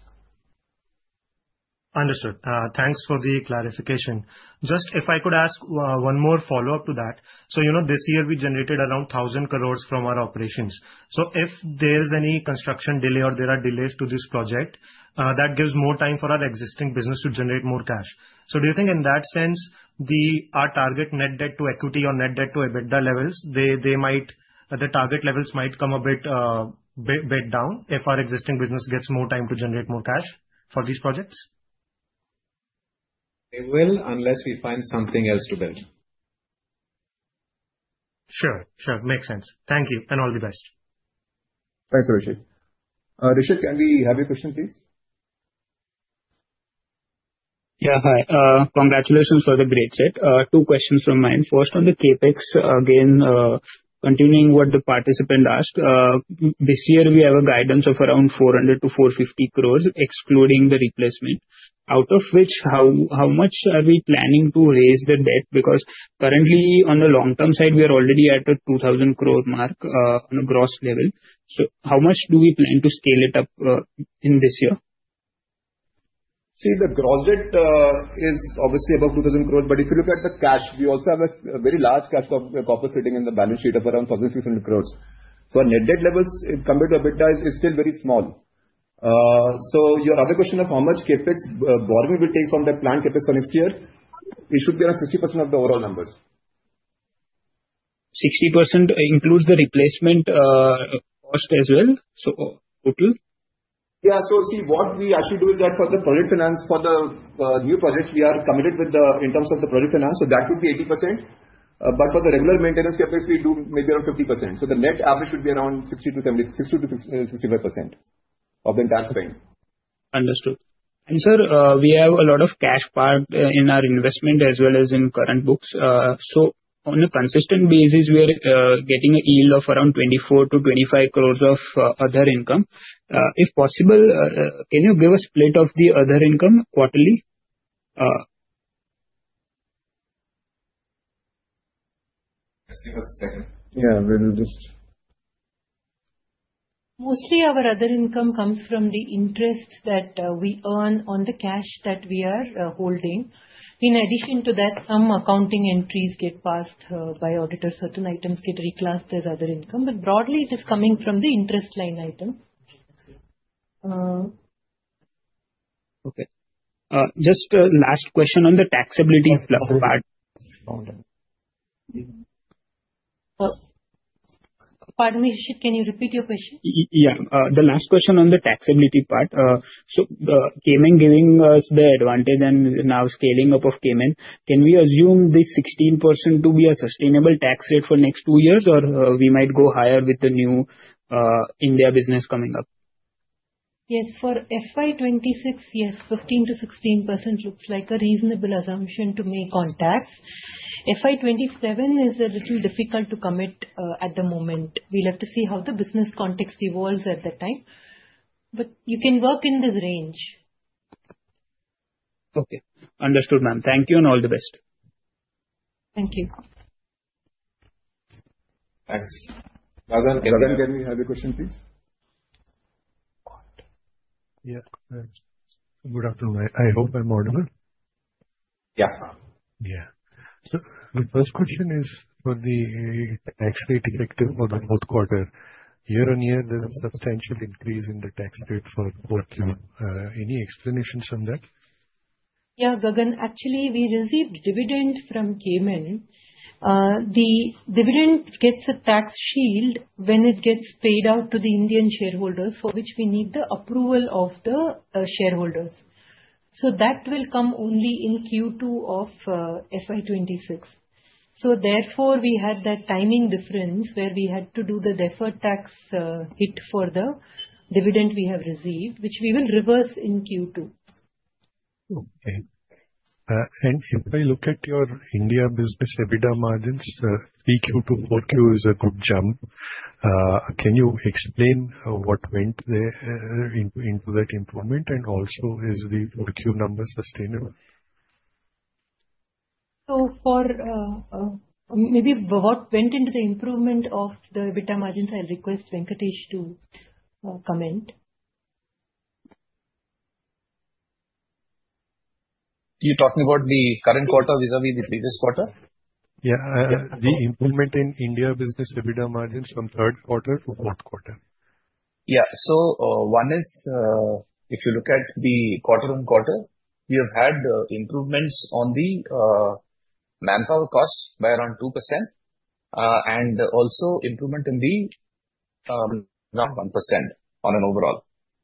Speaker 10: Understood. Thanks for the clarification. Just if I could ask one more follow-up to that. So this year, we generated around 1,000 crores from our operations. So if there's any construction delay or there are delays to this project, that gives more time for our existing business to generate more cash. So do you think in that sense, our target net debt to equity or net debt to EBITDA levels, the target levels might come a bit down if our existing business gets more time to generate more cash for these projects?
Speaker 6: They will unless we find something else to build.
Speaker 10: Sure. Sure. Makes sense. Thank you. And all the best.
Speaker 1: Thanks, Abhishek. Rishit, can we have your question, please?
Speaker 7: Yeah. Hi. Congratulations for the bridge set. Two questions from mine. First, on the CapEx, again, continuing what the participant asked, this year, we have a guidance of around 400 crores-450 crores, excluding the replacement. Out of which, how much are we planning to raise the debt? Because currently, on the long-term side, we are already at a 2,000 crore mark on a gross level. So how much do we plan to scale it up in this year?
Speaker 6: See, the gross debt is obviously above 2,000 crores. But if you look at the cash, we also have a very large cash corpus sitting in the balance sheet of around 1,600 crores. So our net debt levels compared to EBITDA is still very small. So your other question of how much CapEx borrowing will take from the planned CapEx for next year, it should be around 60% of the overall numbers.
Speaker 2: 60% includes the replacement cost as well, so total?
Speaker 1: Yeah. So see, what we actually do is that for the project finance, for the new projects, we are committed with them in terms of the project finance. So that would be 80%. But for the regular maintenance CapEx, we do maybe around 50%. So the net average should be around 60%-65% of the entire spend.
Speaker 2: Understood, and sir, we have a lot of cash parked in our investment as well as in current books. So on a consistent basis, we are getting a yield of around 24 crores-25 crores of other income. If possible, can you give a split of the other income quarterly?
Speaker 1: Just give us a second.
Speaker 2: Yeah. We'll just.
Speaker 5: Mostly, our other income comes from the interest that we earn on the cash that we are holding. In addition to that, some accounting entries get passed by auditor. Certain items get reclassed as other income. But broadly, it is coming from the interest line item.
Speaker 2: Okay. Just last question on the taxability part.
Speaker 5: Pardon, Rishit, can you repeat your question?
Speaker 2: Yeah. The last question on the taxability part. So Cayman giving us the advantage and now scaling up of Cayman, can we assume this 16% to be a sustainable tax rate for next two years, or we might go higher with the new India business coming up?
Speaker 5: Yes. For FY26, yes, 15%-16% looks like a reasonable assumption to make on tax. FY27 is a little difficult to commit at the moment. We'll have to see how the business context evolves at that time. But you can work in this range.
Speaker 2: Okay. Understood, ma'am. Thank you and all the best.
Speaker 5: Thank you.
Speaker 1: Thanks. Gagan, can you have your question, please?
Speaker 11: Yeah. Good afternoon. I hope I'm audible.
Speaker 4: Yeah.
Speaker 11: Yeah. So the first question is for the tax rate effective for the fourth quarter. Year on year, there's a substantial increase in the tax rate for both. Any explanations on that?
Speaker 5: Yeah, Gagan. Actually, we received dividend from Cayman. The dividend gets a tax shield when it gets paid out to the Indian shareholders, for which we need the approval of the shareholders. So that will come only in Q2 of FY26. So therefore, we had that timing difference where we had to do the deferred tax hit for the dividend we have received, which we will reverse in Q2.
Speaker 11: Okay. And if I look at your India business EBITDA margins, 3Q to 4Q is a good jump. Can you explain what went into that improvement? And also, is the 4Q number sustainable?
Speaker 5: Maybe what went into the improvement of the EBITDA margins. I'll request Venkatesh to comment.
Speaker 4: You're talking about the current quarter vis-à-vis the previous quarter?
Speaker 2: Yeah. The improvement in India business EBITDA margins from third quarter to fourth quarter.
Speaker 4: Yeah. So one is, if you look at the quarter-on-quarter, we have had improvements on the manpower cost by around 2%. And also, improvement in the. Not 1% on an overall.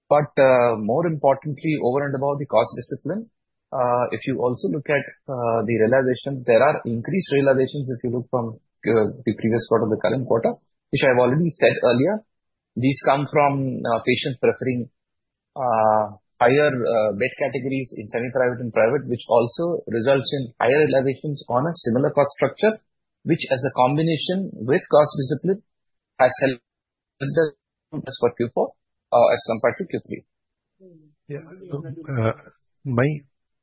Speaker 4: But more importantly, over and above the cost discipline, if you also look at the realization, there are increased realizations if you look from the previous quarter to the current quarter, which I've already said earlier. These come from patients preferring higher bed categories in semi-private and private, which also results in higher realizations on a similar cost structure, which, as a combination with cost discipline, has helped us for Q4 as compared to Q3.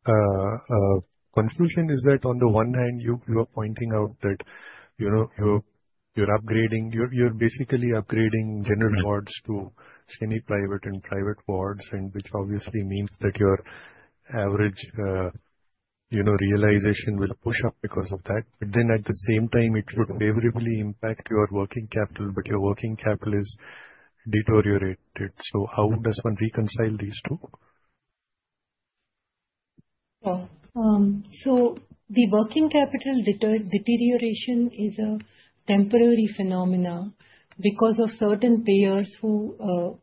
Speaker 11: Yeah. So my conclusion is that on the one hand, you are pointing out that you're upgrading. You're basically upgrading general wards to semi-private and private wards, which obviously means that your average realization will push up because of that. But then at the same time, it would favorably impact your working capital, but your working capital is deteriorated. So how does one reconcile these two?
Speaker 5: Yeah. So the working capital deterioration is a temporary phenomenon because of certain payers who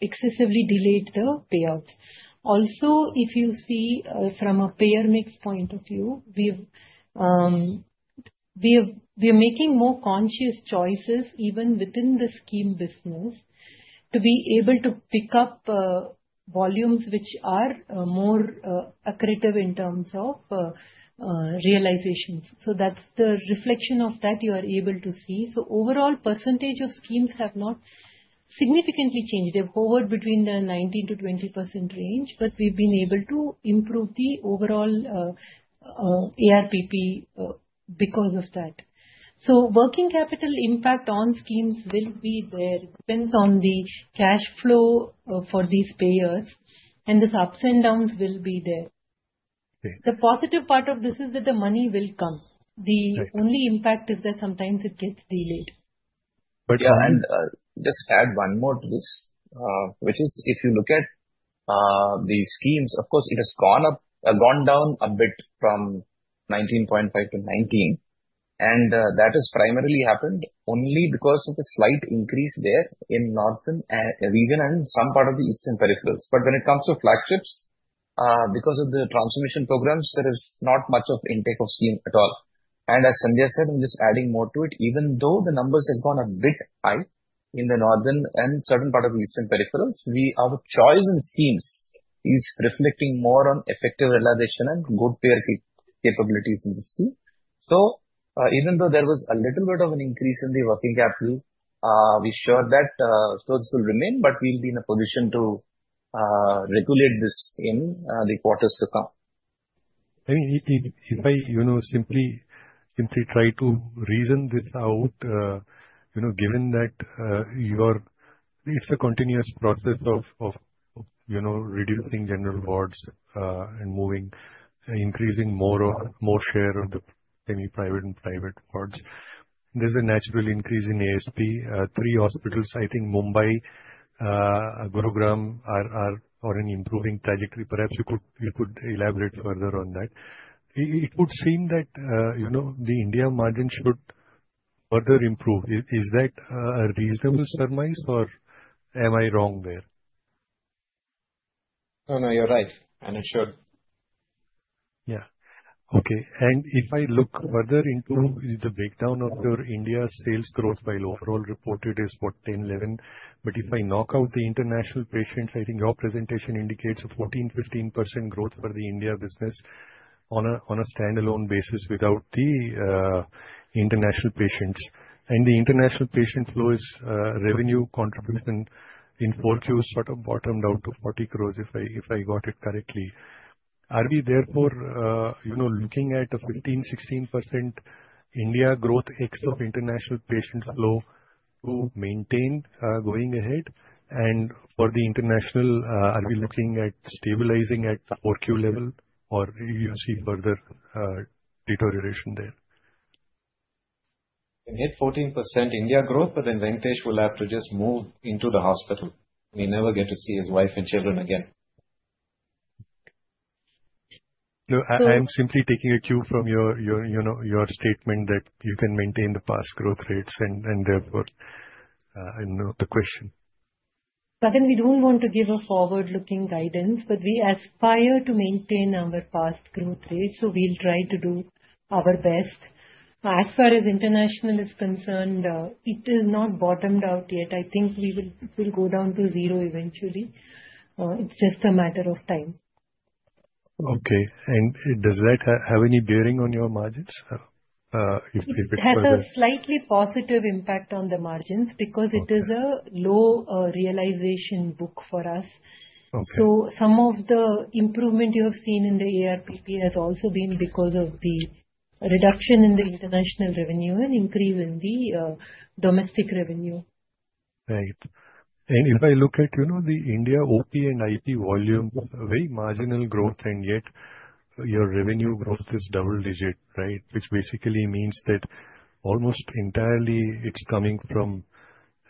Speaker 5: excessively delayed the payouts. Also, if you see from a payer mix point of view, we are making more conscious choices even within the scheme business to be able to pick up volumes which are more lucrative in terms of realizations. So that's the reflection of that you are able to see. So overall, percentage of schemes has not significantly changed. They've hovered between the 19%-20% range, but we've been able to improve the overall ARPP because of that. So working capital impact on schemes will be there. It depends on the cash flow for these payers, and these ups and downs will be there. The positive part of this is that the money will come. The only impact is that sometimes it gets delayed.
Speaker 4: But yeah, and just add one more to this, which is if you look at the schemes, of course, it has gone down a bit from 19.5 to 19. And that has primarily happened only because of a slight increase there in northern region and some part of the eastern peripherals. But when it comes to flagships, because of the transformation programs, there is not much of intake of scheme at all. And as Sandhya said, I'm just adding more to it. Even though the numbers have gone a bit high in the northern and certain part of the eastern peripherals, our choice in schemes is reflecting more on effective realization and good payer capabilities in the scheme. So even though there was a little bit of an increase in the working capital, we're sure that those will remain, but we'll be in a position to regulate this in the quarters to come.
Speaker 11: I mean, if I simply try to reason this out, given that it's a continuous process of reducing general wards and increasing more share of the semi-private and private wards, there's a natural increase in ASP. Three hospitals, I think Mumbai, Gurugram, are on an improving trajectory. Perhaps you could elaborate further on that. It would seem that the India margin should further improve. Is that a reasonable surmise, or am I wrong there?
Speaker 4: No, no, you're right. And it should.
Speaker 11: Yeah. Okay. And if I look further into the breakdown of your India sales growth, while overall reported is about 10-11, but if I knock out the international patients, I think your presentation indicates a 14%-15% growth for the India business on a standalone basis without the international patients. And the international patient flow is revenue contribution in 4Q sort of bottomed out to 40 crores, if I got it correctly. Are we, therefore, looking at a 15%-16% India growth except international patient flow to maintain going ahead? And for the international, are we looking at stabilizing at 4Q level, or do you see further deterioration there?
Speaker 4: We'll hit 14% India growth, but then Venkatesh will have to just move into the hospital. We never get to see his wife and children again.
Speaker 11: No, I'm simply taking a cue from your statement that you can maintain the past growth rates, and therefore, I know the question.
Speaker 5: Gagan, we don't want to give a forward-looking guidance, but we aspire to maintain our past growth rate, so we'll try to do our best. As far as international is concerned, it is not bottomed out yet. I think we will go down to zero eventually. It's just a matter of time.
Speaker 11: Okay, and does that have any bearing on your margins?
Speaker 5: It has a slightly positive impact on the margins because it is a low realization book for us. So some of the improvement you have seen in the ARPP has also been because of the reduction in the international revenue and increase in the domestic revenue.
Speaker 11: Right. And if I look at the India OP and IP volume, very marginal growth, and yet your revenue growth is double-digit, right? Which basically means that almost entirely it's coming from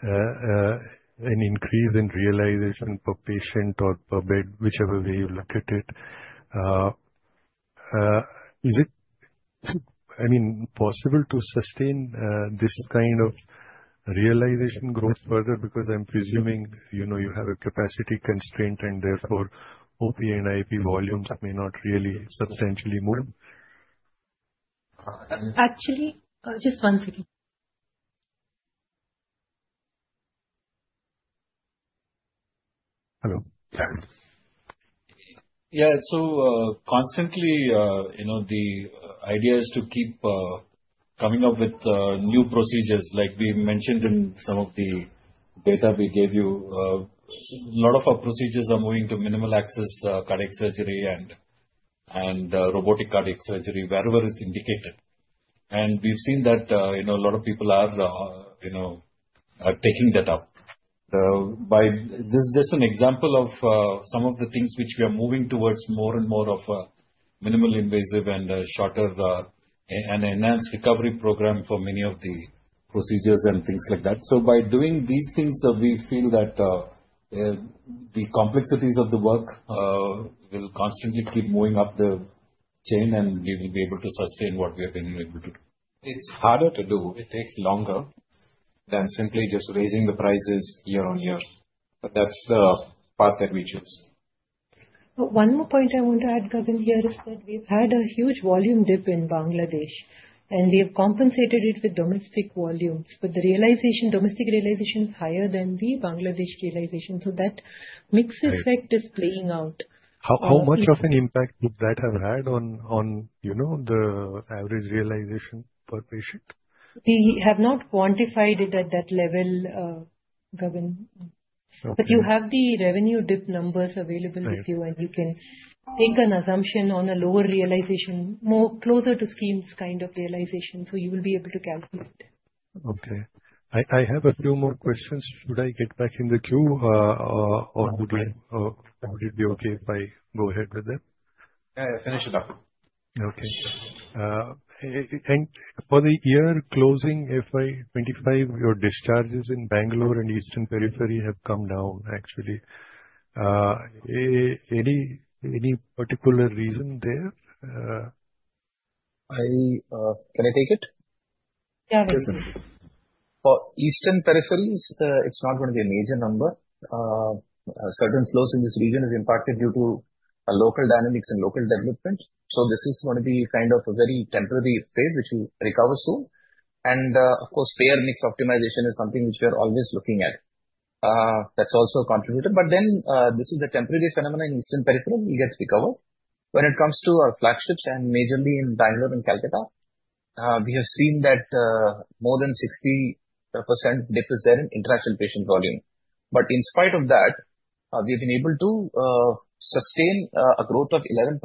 Speaker 11: an increase in realization per patient or per bed, whichever way you look at it. Is it, I mean, possible to sustain this kind of realization growth further? Because I'm presuming you have a capacity constraint, and therefore, OP and IP volumes may not really substantially move.
Speaker 5: Actually, just one thing.
Speaker 2: Hello?
Speaker 4: Yeah. So constantly, the idea is to keep coming up with new procedures. Like we mentioned in some of the data we gave you, a lot of our procedures are moving to minimal access cardiac surgery and robotic cardiac surgery, wherever it's indicated, and we've seen that a lot of people are taking that up. This is just an example of some of the things which we are moving towards more and more of a minimally invasive and shorter and enhanced recovery program for many of the procedures and things like that, so by doing these things, we feel that the complexities of the work will constantly keep moving up the chain, and we will be able to sustain what we have been able to do. It's harder to do. It takes longer than simply just raising the prices year on year, but that's the path that we choose.
Speaker 5: One more point I want to add, Gagan, here is that we've had a huge volume dip in Bangladesh, and we have compensated it with domestic volumes. But the realization, domestic realization is higher than the Bangladesh realization. So that mixed effect is playing out.
Speaker 11: How much of an impact would that have had on the average realization per patient?
Speaker 5: We have not quantified it at that level, Gagan. But you have the revenue dip numbers available with you, and you can make an assumption on a lower realization, more closer to schemes kind of realization. So you will be able to calculate.
Speaker 11: Okay. I have a few more questions. Should I get back in the queue, or would it be okay if I go ahead with them?
Speaker 4: Yeah, yeah. Finish it up.
Speaker 11: Okay. And for the year closing, FY25, your discharges in Bangalore and eastern periphery have come down, actually. Any particular reason there?
Speaker 4: Can I take it?
Speaker 5: Yeah, definitely.
Speaker 4: For eastern peripheries, it's not going to be a major number. Certain flows in this region are impacted due to local dynamics and local development. So this is going to be kind of a very temporary phase, which will recover soon. And of course, payer mix optimization is something which we are always looking at. That's also contributed. But then this is a temporary phenomenon in eastern periphery. It gets recovered. When it comes to our flagships, and majorly in Bangalore and Kolkata, we have seen that more than 60% dip is there in international patient volume. But in spite of that, we have been able to sustain a growth of 11%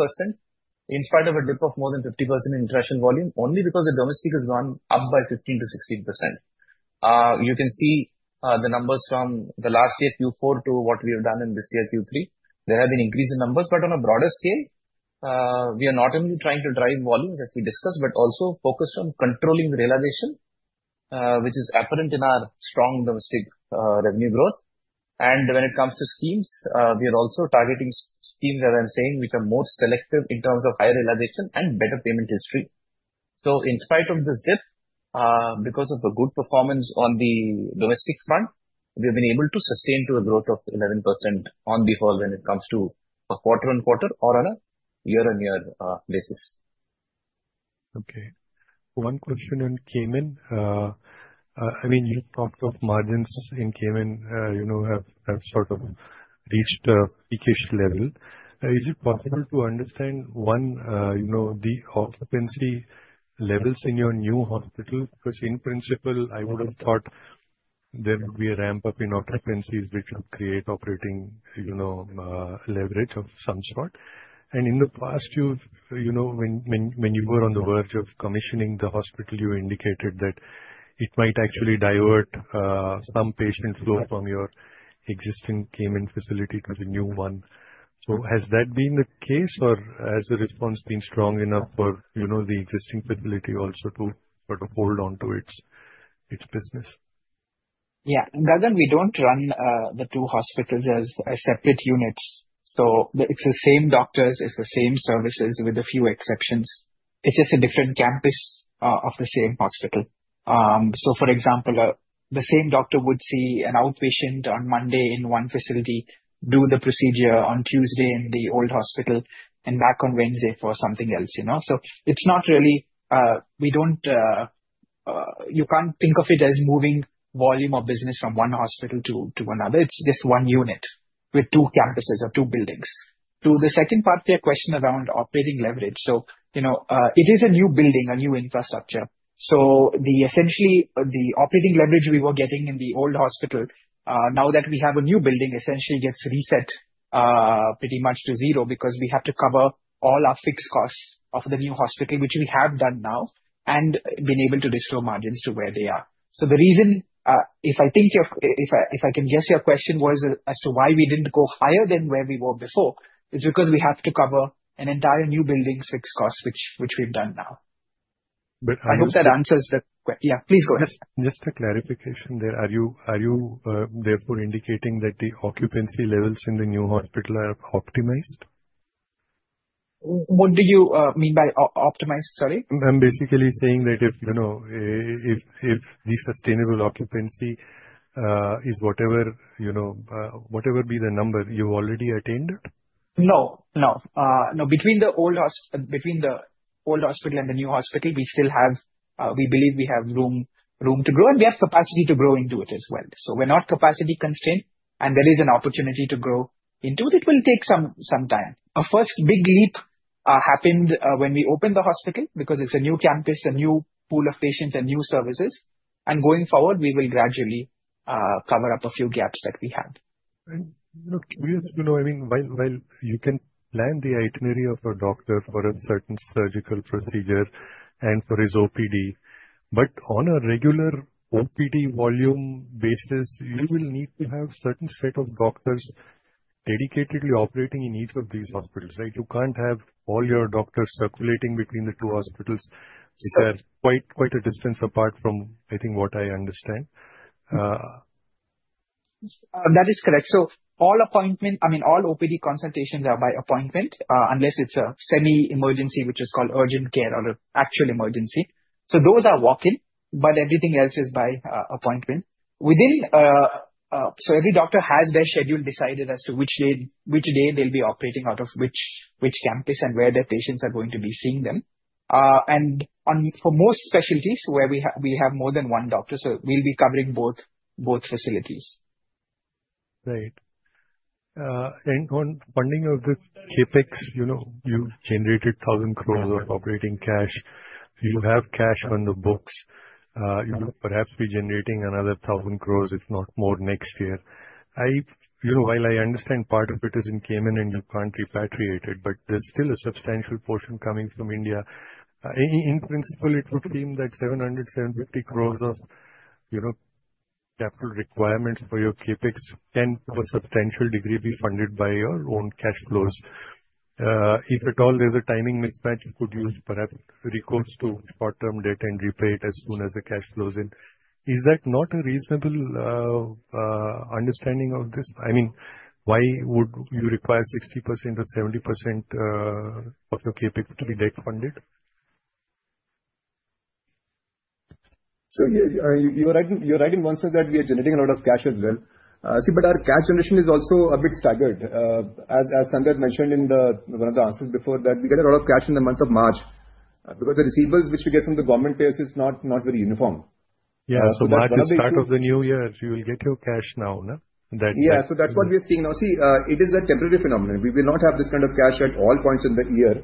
Speaker 4: in spite of a dip of more than 50% in international volume, only because the domestic has gone up by 15%-16%. You can see the numbers from the last year, Q4, to what we have done in this year, Q3. There have been increasing numbers, but on a broader scale, we are not only trying to drive volumes, as we discussed, but also focused on controlling the realization, which is apparent in our strong domestic revenue growth, and when it comes to schemes, we are also targeting schemes, as I'm saying, which are more selective in terms of higher realization and better payment history, so in spite of this dip, because of the good performance on the domestic front, we have been able to sustain to a growth of 11% on the whole when it comes to a quarter-on-quarter or on a year-on-year basis.
Speaker 11: Okay. One question on Cayman. I mean, you talked of margins in Cayman have sort of reached a peak-ish level. Is it possible to understand, one, the occupancy levels in your new hospital? Because in principle, I would have thought there would be a ramp-up in occupancies, which would create operating leverage of some sort. And in the past, when you were on the verge of commissioning the hospital, you indicated that it might actually divert some patient flow from your existing Cayman facility to the new one. So has that been the case, or has the response been strong enough for the existing facility also to sort of hold on to its business?
Speaker 6: Yeah. Gagan, we don't run the two hospitals as separate units. So it's the same doctors. It's the same services with a few exceptions. It's just a different campus of the same hospital. So for example, the same doctor would see an outpatient on Monday in one facility, do the procedure on Tuesday in the old hospital, and back on Wednesday for something else. So it's not really you can't think of it as moving volume of business from one hospital to another. It's just one unit with two campuses or two buildings. To the second part of your question around operating leverage. So it is a new building, a new infrastructure. So essentially, the operating leverage we were getting in the old hospital, now that we have a new building, essentially gets reset pretty much to zero because we have to cover all our fixed costs of the new hospital, which we have done now, and been able to restore margins to where they are. So the reason, if I can guess your question, was as to why we didn't go higher than where we were before. It's because we have to cover an entire new building's fixed costs, which we've done now. I hope that answers it. Yeah, please go ahead.
Speaker 11: Just a clarification there. Are you therefore indicating that the occupancy levels in the new hospital are optimized?
Speaker 6: What do you mean by optimized? Sorry.
Speaker 11: I'm basically saying that if the sustainable occupancy is whatever be the number, you've already attained it?
Speaker 6: No, no. No, between the old hospital and the new hospital, we still have, we believe, we have room to grow, and we have capacity to grow into it as well. So we're not capacity constrained, and there is an opportunity to grow into it. It will take some time. Our first big leap happened when we opened the hospital because it's a new campus, a new pool of patients, and new services. And going forward, we will gradually cover up a few gaps that we have.
Speaker 11: I'm curious to know, I mean, while you can plan the itinerary of a doctor for a certain surgical procedure and for his OPD, but on a regular OPD volume basis, you will need to have a certain set of doctors dedicatedly operating in each of these hospitals, right? You can't have all your doctors circulating between the two hospitals. They are quite a distance apart from, I think, what I understand.
Speaker 6: That is correct. So all appointment, I mean, all OPD consultations are by appointment, unless it's a semi-emergency, which is called urgent care or actual emergency. So those are walk-in, but everything else is by appointment. So every doctor has their schedule decided as to which day they'll be operating out of which campus and where their patients are going to be seeing them. And for most specialties, we have more than one doctor, so we'll be covering both facilities.
Speaker 11: Right. And on funding of the CapEx, you generated 1,000 crores of operating cash. You have cash on the books. You will perhaps be generating another 1,000 crores, if not more, next year. While I understand part of it is in Cayman and you can't repatriate it, but there's still a substantial portion coming from India. In principle, it would seem thatINR 700 crores-INR 750 crores of capital requirements for your CapEx can to a substantial degree be funded by your own cash flows. If at all, there's a timing mismatch, you could use perhaps recourse to short-term debt and repay it as soon as the cash flows in. Is that not a reasonable understanding of this? I mean, why would you require 60% or 70% of your CapEx to be debt-funded?
Speaker 6: So you're right in one sense that we are generating a lot of cash as well. See, but our cash generation is also a bit staggered. As Sandhya mentioned in one of the answers before, that we get a lot of cash in the month of March because the receivables which we get from the government payers is not very uniform.
Speaker 11: Yeah. So back at the start of the new year, you will get your cash now, no?
Speaker 6: Yeah. So that's what we are seeing now. See, it is a temporary phenomenon. We will not have this kind of cash at all points in the year.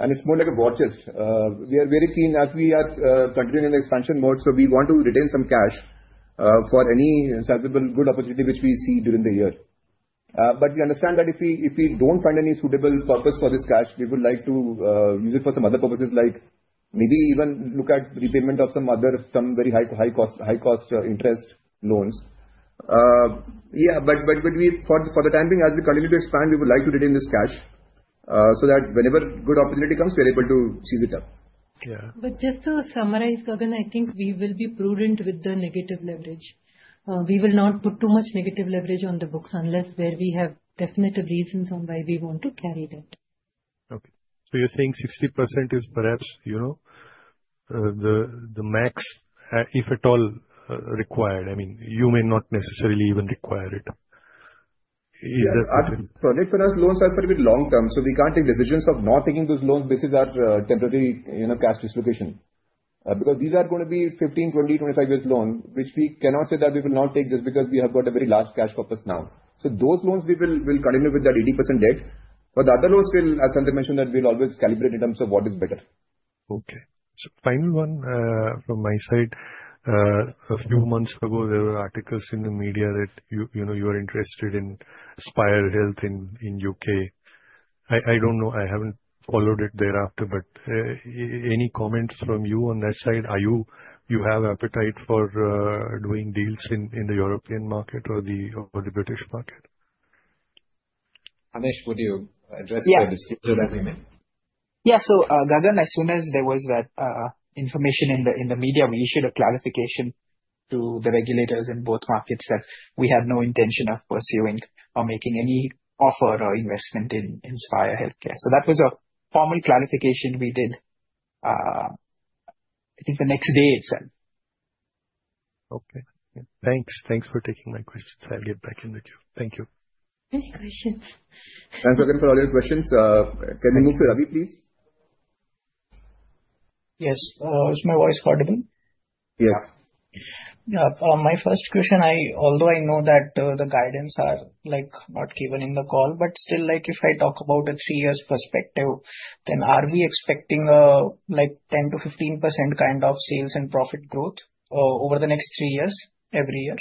Speaker 6: And it's more like a war chest. We are very keen, as we are continuing in the expansion mode, so we want to retain some cash for any sizable good opportunity which we see during the year. But we understand that if we don't find any suitable purpose for this cash, we would like to use it for some other purposes, like maybe even look at repayment of some other very high-cost interest loans. Yeah. But for the time being, as we continue to expand, we would like to retain this cash so that whenever good opportunity comes, we are able to seize it up.
Speaker 5: Yeah, but just to summarize, Gagan, I think we will be prudent with the negative leverage. We will not put too much negative leverage on the books unless where we have definitive reasons on why we want to carry that.
Speaker 11: Okay, so you're saying 60% is perhaps the max, if at all, required. I mean, you may not necessarily even require it.
Speaker 6: Correct. For us, loans are for a bit long-term. So we can't take decisions of not taking those loans because of our temporary cash dislocation. Because these are going to be 15 years, 20 years, 25 years loan, which we cannot say that we will not take just because we have got a very large cash purpose now. So those loans, we will continue with that 80% debt. But the other loans still, as Sandhya mentioned, that we'll always calibrate in terms of what is better.
Speaker 11: Okay. So final one from my side. A few months ago, there were articles in the media that you are interested in Spire Health in the U.K. I don't know. I haven't followed it thereafter, but any comments from you on that side? Do you have appetite for doing deals in the European market or the British market?
Speaker 4: Aneesh, would you address the disclosure that we made?
Speaker 3: Yeah. So Gagan, as soon as there was that information in the media, we issued a clarification to the regulators in both markets that we had no intention of pursuing or making any offer or investment in Spire Healthcare. So that was a formal clarification we did, I think, the next day itself.
Speaker 11: Okay. Thanks. Thanks for taking my questions. I'll get back in the queue. Thank you.
Speaker 5: Any questions?
Speaker 1: Thanks, Gagan, for all your questions. Can we move to Ravi, please?
Speaker 12: Yes. Is my voice audible?
Speaker 1: Yes.
Speaker 12: Yeah. My first question, although I know that the guidance are not given in the call, but still, if I talk about a three-year perspective, then are we expecting a 10%-15% kind of sales and profit growth over the next three years, every year?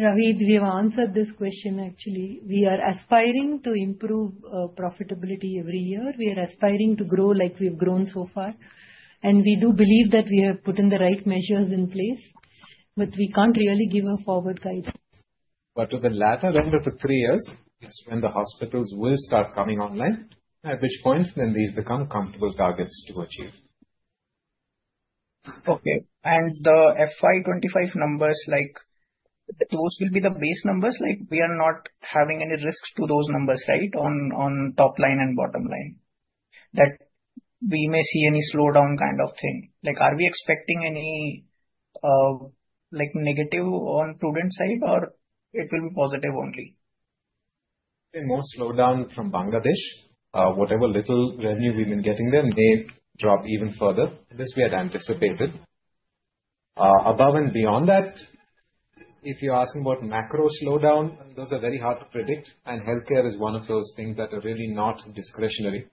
Speaker 5: Ravi, if you have answered this question, actually, we are aspiring to improve profitability every year. We are aspiring to grow like we've grown so far. And we do believe that we have put in the right measures in place, but we can't really give a forward guidance.
Speaker 1: But with the latter end of the three years, it's when the hospitals will start coming online, at which point then these become comparable targets to achieve.
Speaker 12: Okay. And the FY25 numbers, those will be the base numbers? We are not having any risks to those numbers, right, on top line and bottom line, that we may see any slowdown kind of thing. Are we expecting any negative on profit side, or it will be positive only?
Speaker 1: There may be a slowdown from Bangladesh. Whatever little revenue we've been getting there, may drop even further. This we had anticipated. Above and beyond that, if you're asking about macro slowdown, those are very hard to predict, and healthcare is one of those things that are really not discretionary.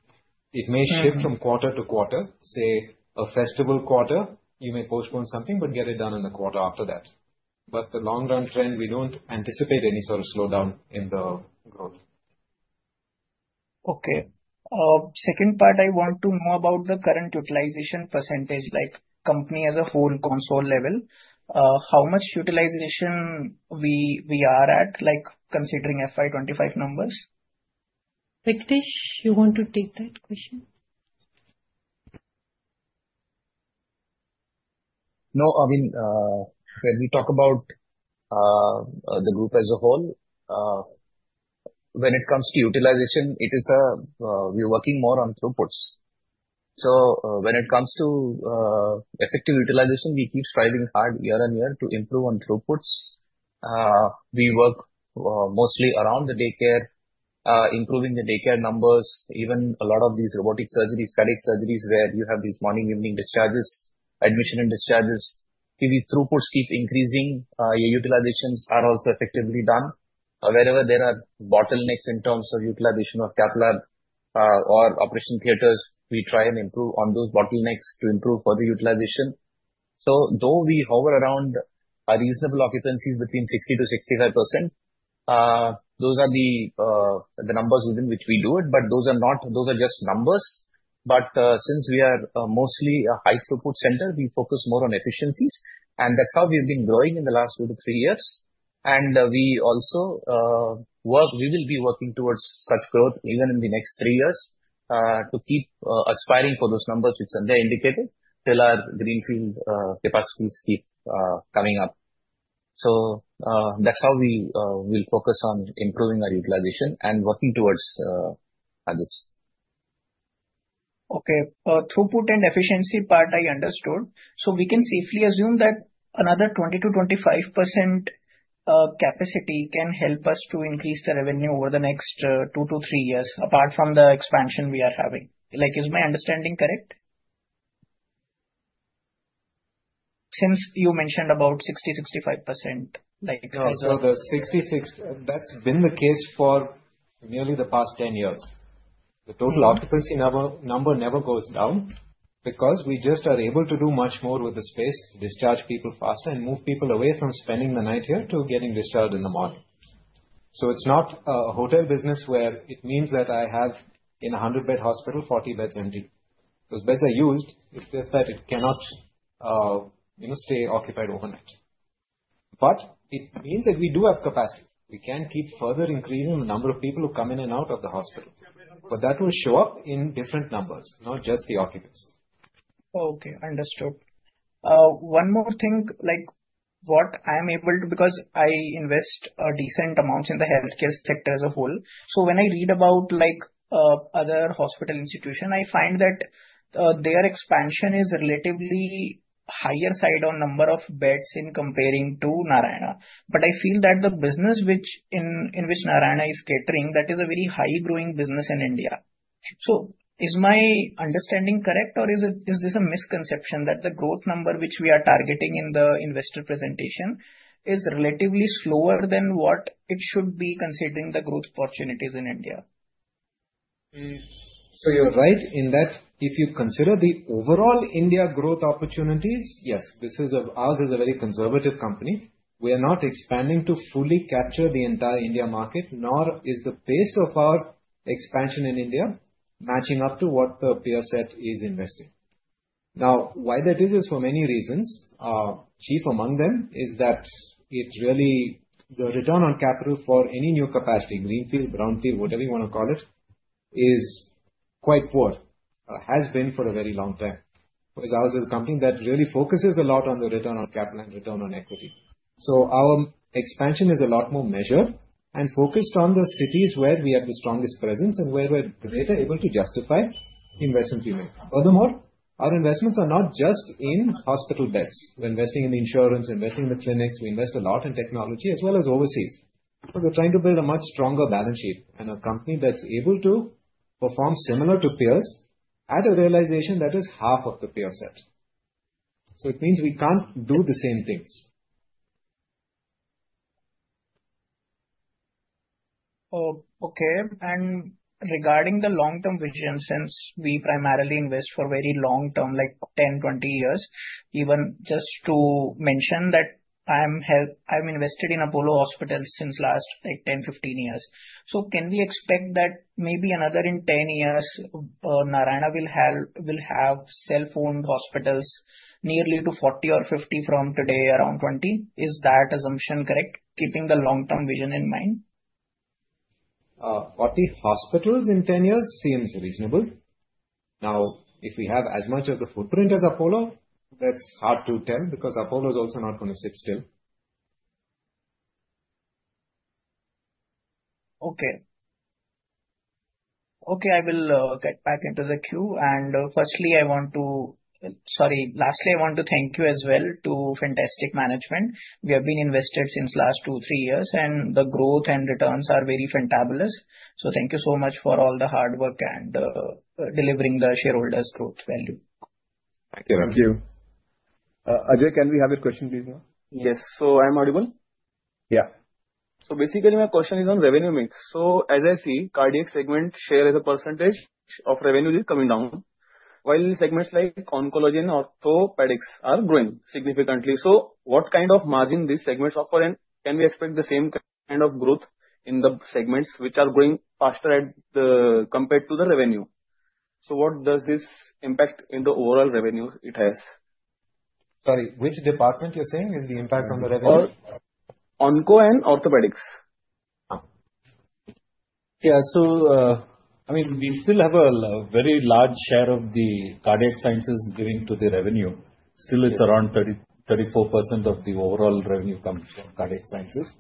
Speaker 1: It may shift from quarter to quarter. Say a festival quarter, you may postpone something, but get it done in the quarter after that, but the long-run trend, we don't anticipate any sort of slowdown in the growth.
Speaker 12: Okay. Second part, I want to know about the current utilization percentage, company as a whole consolidated level. How much utilization we are at, considering FY25 numbers?
Speaker 5: Rupert, you want to take that question?
Speaker 4: No. I mean, when we talk about the group as a whole, when it comes to utilization, we are working more on throughputs. So when it comes to effective utilization, we keep striving hard year on year to improve on throughputs. We work mostly around the daycare, improving the daycare numbers, even a lot of these robotic surgeries, cardiac surgeries, where you have these morning, evening discharges, admission and discharges. If the throughputs keep increasing, your utilizations are also effectively done. Wherever there are bottlenecks in terms of utilization of cath lab or operation theaters, we try and improve on those bottlenecks to improve further utilization. So though we hover around a reasonable occupancy between 60%-65%, those are the numbers within which we do it. But those are just numbers. But since we are mostly a high-throughput center, we focus more on efficiencies. That's how we've been growing in the last two to three years. We also will be working towards such growth even in the next three years to keep aspiring for those numbers which are there indicated till our greenfield capacities keep coming up. That's how we will focus on improving our utilization and working towards this.
Speaker 12: Okay. Throughput and efficiency part, I understood. So we can safely assume that another 20%-25% capacity can help us to increase the revenue over the next two to three years, apart from the expansion we are having. Is my understanding correct? Since you mentioned about 60%-65%.
Speaker 4: No. So that's been the case for nearly the past 10 years. The total occupancy number never goes down because we just are able to do much more with the space, discharge people faster, and move people away from spending the night here to getting discharged in the morning. So it's not a hotel business where it means that I have in a 100-bed hospital, 40 beds empty. Those beds are used. It's just that it cannot stay occupied overnight. But it means that we do have capacity. We can keep further increasing the number of people who come in and out of the hospital. But that will show up in different numbers, not just the occupancy.
Speaker 12: Okay. Understood. One more thing. What I'm able to because I invest decent amounts in the healthcare sector as a whole. So when I read about other hospital institutions, I find that their expansion is relatively higher side on number of beds in comparing to Narayana. But I feel that the business in which Narayana is catering, that is a very high-growing business in India. So is my understanding correct, or is this a misconception that the growth number which we are targeting in the investor presentation is relatively slower than what it should be considering the growth opportunities in India?
Speaker 4: So you're right in that if you consider the overall India growth opportunities, yes, ours is a very conservative company. We are not expanding to fully capture the entire India market, nor is the pace of our expansion in India matching up to what the peer set is investing. Now, why that is, is for many reasons. Chief among them is that the return on capital for any new capacity, greenfield, brownfield, whatever you want to call it, is quite poor, has been for a very long time. Because ours is a company that really focuses a lot on the return on capital and return on equity. So our expansion is a lot more measured and focused on the cities where we have the strongest presence and where we're better able to justify investment we make. Furthermore, our investments are not just in hospital beds. We're investing in insurance, we're investing in the clinics, we invest a lot in technology, as well as overseas, so we're trying to build a much stronger balance sheet and a company that's able to perform similar to peers at a realization that is half of the peer set, so it means we can't do the same things.
Speaker 12: Okay. And regarding the long-term vision, since we primarily invest for very long-term, like 10 years, 20 years, even just to mention that I'm invested in Apollo Hospital since last 10 years, 15 years. So can we expect that maybe another 10 years, Narayana will have self-owned hospitals nearly to 40 or 50 from today, around 20? Is that assumption correct, keeping the long-term vision in mind?
Speaker 4: 40 hospitals in 10 years seems reasonable. Now, if we have as much of the footprint as Apollo, that's hard to tell because Apollo is also not going to sit still.
Speaker 12: Okay. Okay. I will get back into the queue. And firstly, I want to, sorry, lastly, I want to thank you as well to fantastic management. We have been invested since last two, three years, and the growth and returns are very fabulous. So thank you so much for all the hard work and delivering the shareholders' growth value.
Speaker 4: Thank you.
Speaker 12: Thank you.
Speaker 1: Ajay, can we have your question, please?
Speaker 13: Yes. So I'm audible?
Speaker 1: Yeah.
Speaker 13: So basically, my question is on revenue mix. So as I see, cardiac segment share as a percentage of revenue is coming down, while segments like oncology and orthopedics are growing significantly. So what kind of margin these segments offer? And can we expect the same kind of growth in the segments which are growing faster compared to the revenue? So what does this impact into overall revenue it has?
Speaker 6: Sorry, which department you're saying is the impact on the revenue?
Speaker 13: Onco and orthopedics.
Speaker 6: Yeah. So I mean, we still have a very large share of the cardiac sciences giving to the revenue. Still, it's around 34% of the overall revenue comes from cardiac sciences.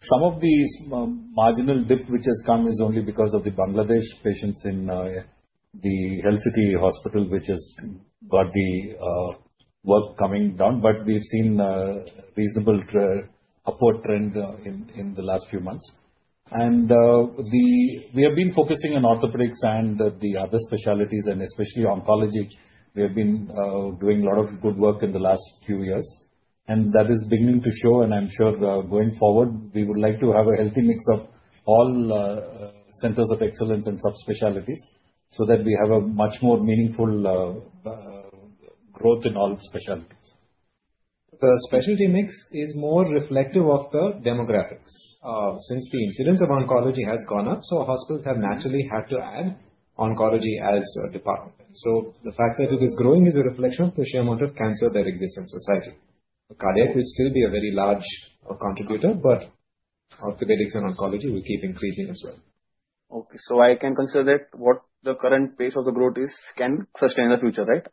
Speaker 6: Some of the marginal dip which has come is only because of the Bangladesh patients in the Kolkata hospital, which has got the work coming down. But we've seen a reasonable upward trend in the last few months. And we have been focusing on orthopedics and the other specialties, and especially oncology. We have been doing a lot of good work in the last few years. And that is beginning to show, and I'm sure going forward, we would like to have a healthy mix of all centers of excellence and subspecialties so that we have a much more meaningful growth in all specialties. The specialty mix is more reflective of the demographics. Since the incidence of oncology has gone up, so hospitals have naturally had to add oncology as a department. So the fact that it is growing is a reflection of the sheer amount of cancer that exists in society. Cardiac will still be a very large contributor, but orthopedics and oncology will keep increasing as well.
Speaker 13: Okay. So I can consider that what the current pace of the growth is can sustain in the future, right,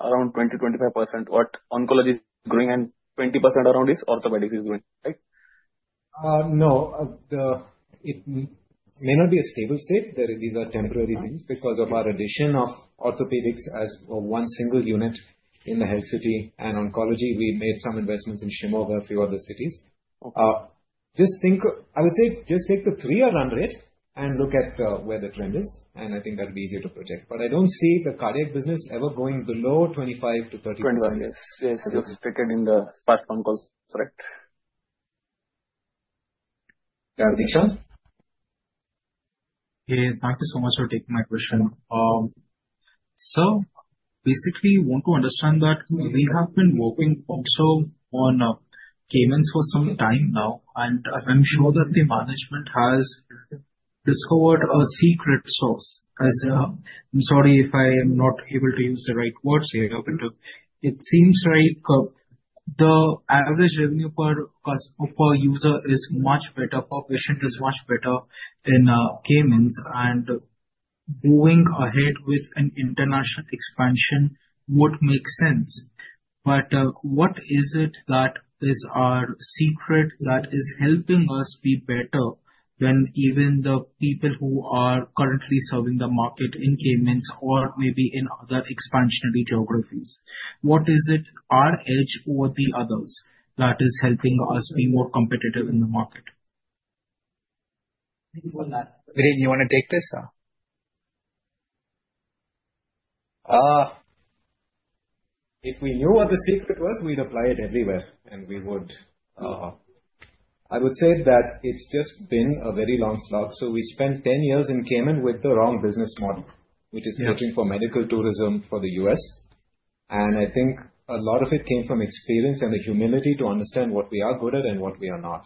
Speaker 13: around 20%-25%, what oncology is growing and around 20% orthopedics is growing, right? No. It may not be a stable state. These are temporary things. Because of our addition of orthopedics as one single unit in the Health City and oncology, we made some investments in Shimoga, a few other cities. Just think, I would say just take the three-year run rate and look at where the trend is. And I think that would be easier to predict. But I don't see the cardiac business ever going below 25%-30%.
Speaker 6: 25 years. Yes. Just take it in the platform calls. That's right.
Speaker 1: Yeah. Ritesh?
Speaker 14: Yeah. Thank you so much for taking my question. So basically, I want to understand that we have been working also on payments for some time now. And I'm sure that the management has discovered a secret sauce. I'm sorry if I'm not able to use the right words here, but it seems like the average revenue per user is much better, per patient is much better than payments. And going ahead with an international expansion would make sense. But what is it that is our secret that is helping us be better than even the people who are currently serving the market in payments or maybe in other expansionary geographies? What is it, our edge over the others, that is helping us be more competitive in the market?
Speaker 6: Rin, you want to take this?
Speaker 4: If we knew what the secret was, we'd apply it everywhere. And I would say that it's just been a very long slog. So we spent 10 years in Cayman with the wrong business model, which is looking for medical tourism for the U.S. And I think a lot of it came from experience and the humility to understand what we are good at and what we are not.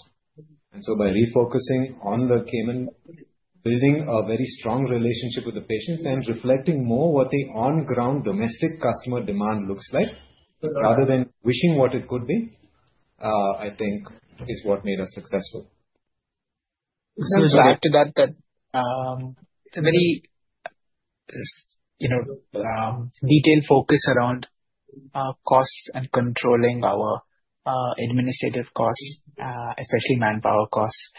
Speaker 4: And so by refocusing on the Cayman, building a very strong relationship with the patients, and reflecting more what the on-ground domestic customer demand looks like, rather than wishing what it could be, I think, is what made us successful.
Speaker 6: I would like to add that it's a very detailed focus around costs and controlling our administrative costs, especially manpower costs.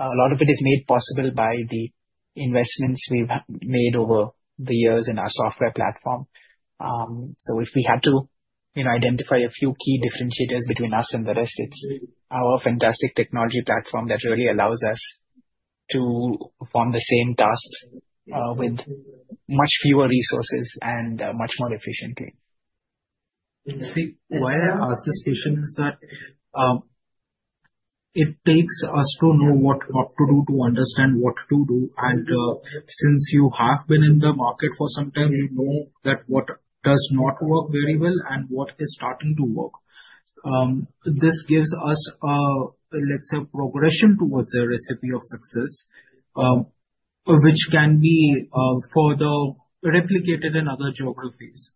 Speaker 6: A lot of it is made possible by the investments we've made over the years in our software platform. So if we had to identify a few key differentiators between us and the rest, it's our fantastic technology platform that really allows us to perform the same tasks with much fewer resources and much more efficiently.
Speaker 14: I think why I ask this question is that it takes us to know what to do to understand what to do. And since you have been in the market for some time, you know that what does not work very well and what is starting to work. This gives us, let's say, a progression towards a recipe of success, which can be further replicated in other geographies.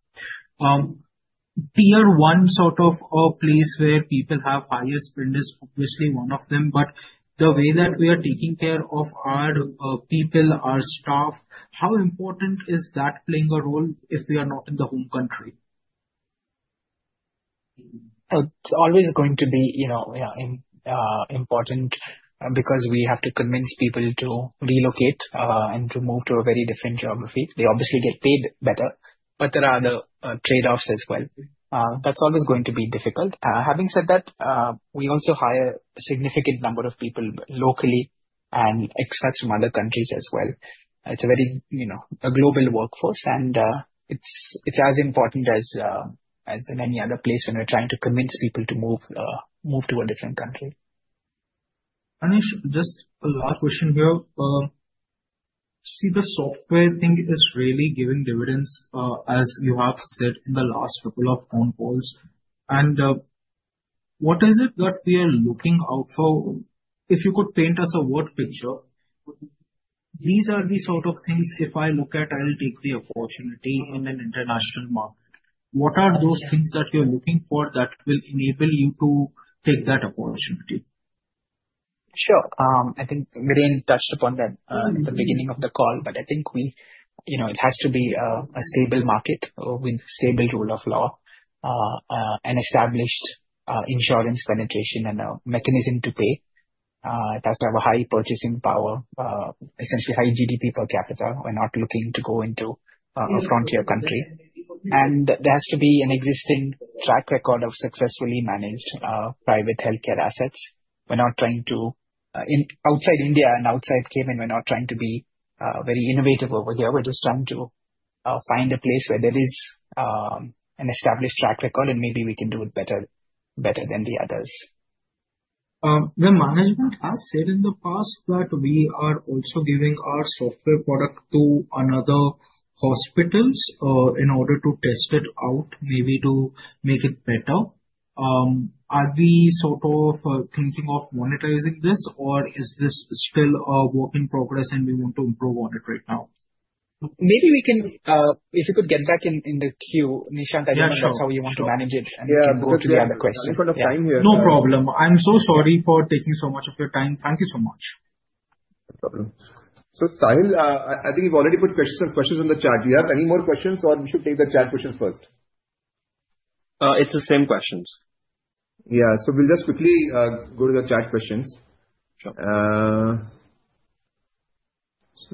Speaker 14: Tier one sort of place where people have highest spend is obviously one of them. But the way that we are taking care of our people, our staff, how important is that playing a role if we are not in the home country?
Speaker 6: It's always going to be important because we have to convince people to relocate and to move to a very different geography. They obviously get paid better, but there are other trade-offs as well. That's always going to be difficult. Having said that, we also hire a significant number of people locally and expats from other countries as well. It's a global workforce, and it's as important as in any other place when we're trying to convince people to move to a different country.
Speaker 14: Aneesh, just a last question here. See, the software thing is really giving dividends, as you have said in the last couple of phone calls. And what is it that we are looking out for? If you could paint us a word picture, these are the sort of things if I look at, I'll take the opportunity in an international market. What are those things that you're looking for that will enable you to take that opportunity?
Speaker 6: Sure. I think Viren touched upon that at the beginning of the call, but I think it has to be a stable market with stable rule of law and established insurance penetration and a mechanism to pay. It has to have a high purchasing power, essentially high GDP per capita. We're not looking to go into a frontier country. And there has to be an existing track record of successfully managed private healthcare assets. We're not trying to outside India and outside Cayman, we're not trying to be very innovative over here. We're just trying to find a place where there is an established track record, and maybe we can do it better than the others.
Speaker 14: The management has said in the past that we are also giving our software product to other hospitals in order to test it out, maybe to make it better. Are we sort of thinking of monetizing this, or is this still a work in progress, and we want to improve on it right now?
Speaker 6: Maybe we can, if you could get back in the queue, Nishant, I think that's how we want to manage it, and we can go to the other questions.
Speaker 1: We're running out of time here.
Speaker 14: No problem. I'm so sorry for taking so much of your time. Thank you so much.
Speaker 1: No problem. So Sahil, I think you've already put questions on the chat. Do you have any more questions, or we should take the chat questions first?
Speaker 15: It's the same questions.
Speaker 1: Yeah. So, we'll just quickly go to the chat questions. So,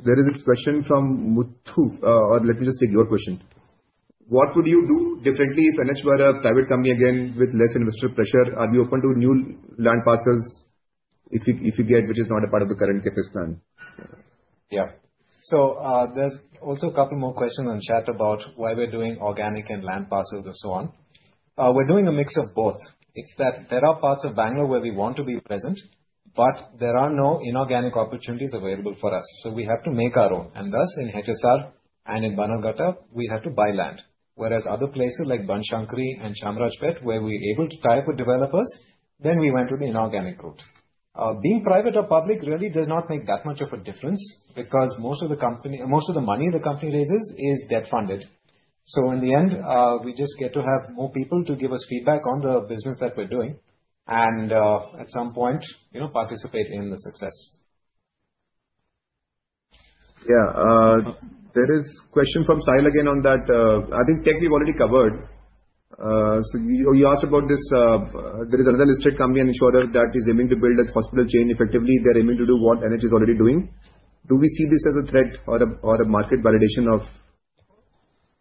Speaker 1: there is this question from Muthu, or let me just take your question. What would you do differently if NH were a private company again with less investor pressure? Are you open to new land parcels if you get, which is not a part of the current CapEx plan?
Speaker 6: Yeah. So there's also a couple more questions on chat about why we're doing organic and land parcels and so on. We're doing a mix of both. It's that there are parts of Bangalore where we want to be present, but there are no inorganic opportunities available for us. So we have to make our own. And thus, in HSR and in Bannerghatta, we had to buy land. Whereas other places like Banashankari and Chamrajpet, where we're able to tie up with developers, then we went to the inorganic route. Being private or public really does not make that much of a difference because most of the money the company raises is debt-funded. So in the end, we just get to have more people to give us feedback on the business that we're doing and at some point participate in the success.
Speaker 1: Yeah. There is a question from Sahil again on that. I think tech we've already covered. So you asked about this. There is another listed company and insurer that is aiming to build a hospital chain effectively. They're aiming to do what NH is already doing. Do we see this as a threat or a market validation of?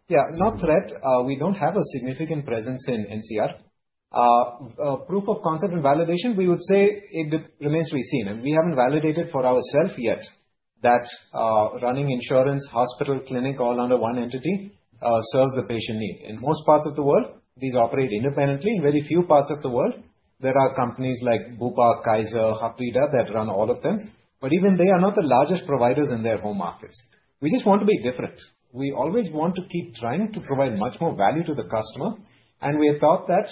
Speaker 6: Yeah. Not threat. We don't have a significant presence in NCR. Proof of concept and validation, we would say it remains to be seen, and we haven't validated for ourselves yet that running insurance, hospital, clinic, all under one entity serves the patient need. In most parts of the world, these operate independently. In very few parts of the world, there are companies like Bupa, Kaiser, Hapvida that run all of them. But even they are not the largest providers in their home markets. We just want to be different. We always want to keep trying to provide much more value to the customer, and we have thought that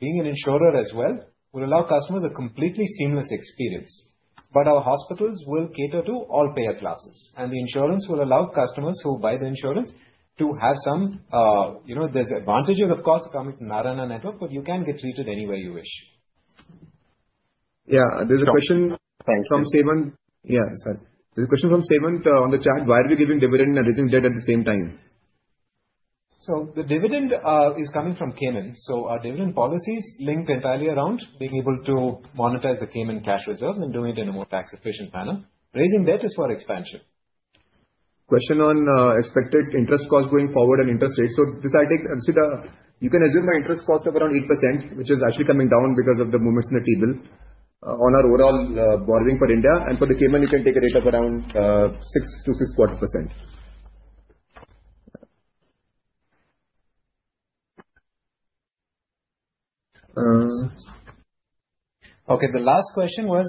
Speaker 6: being an insurer as well will allow customers a completely seamless experience. But our hospitals will cater to all payer classes. The insurance will allow customers who buy the insurance to have some advantages, of course, coming to Narayana network, but you can get treated anywhere you wish.
Speaker 1: Yeah. There's a question from Sawant. Yeah. Sorry. There's a question from Sawant on the chat. Why are we giving dividend and raising debt at the same time?
Speaker 6: So the dividend is coming from Cayman. So our dividend policies link entirely around being able to monetize the Cayman cash reserves and doing it in a more tax-efficient manner. Raising debt is for expansion.
Speaker 1: Question on expected interest cost going forward and interest rates. So this I take you can assume our interest cost of around 8%, which is actually coming down because of the movements in the T-Bill on our overall borrowing for India. For the Cayman, you can take a rate of around 6%-6.25%.
Speaker 6: Okay. The last question was,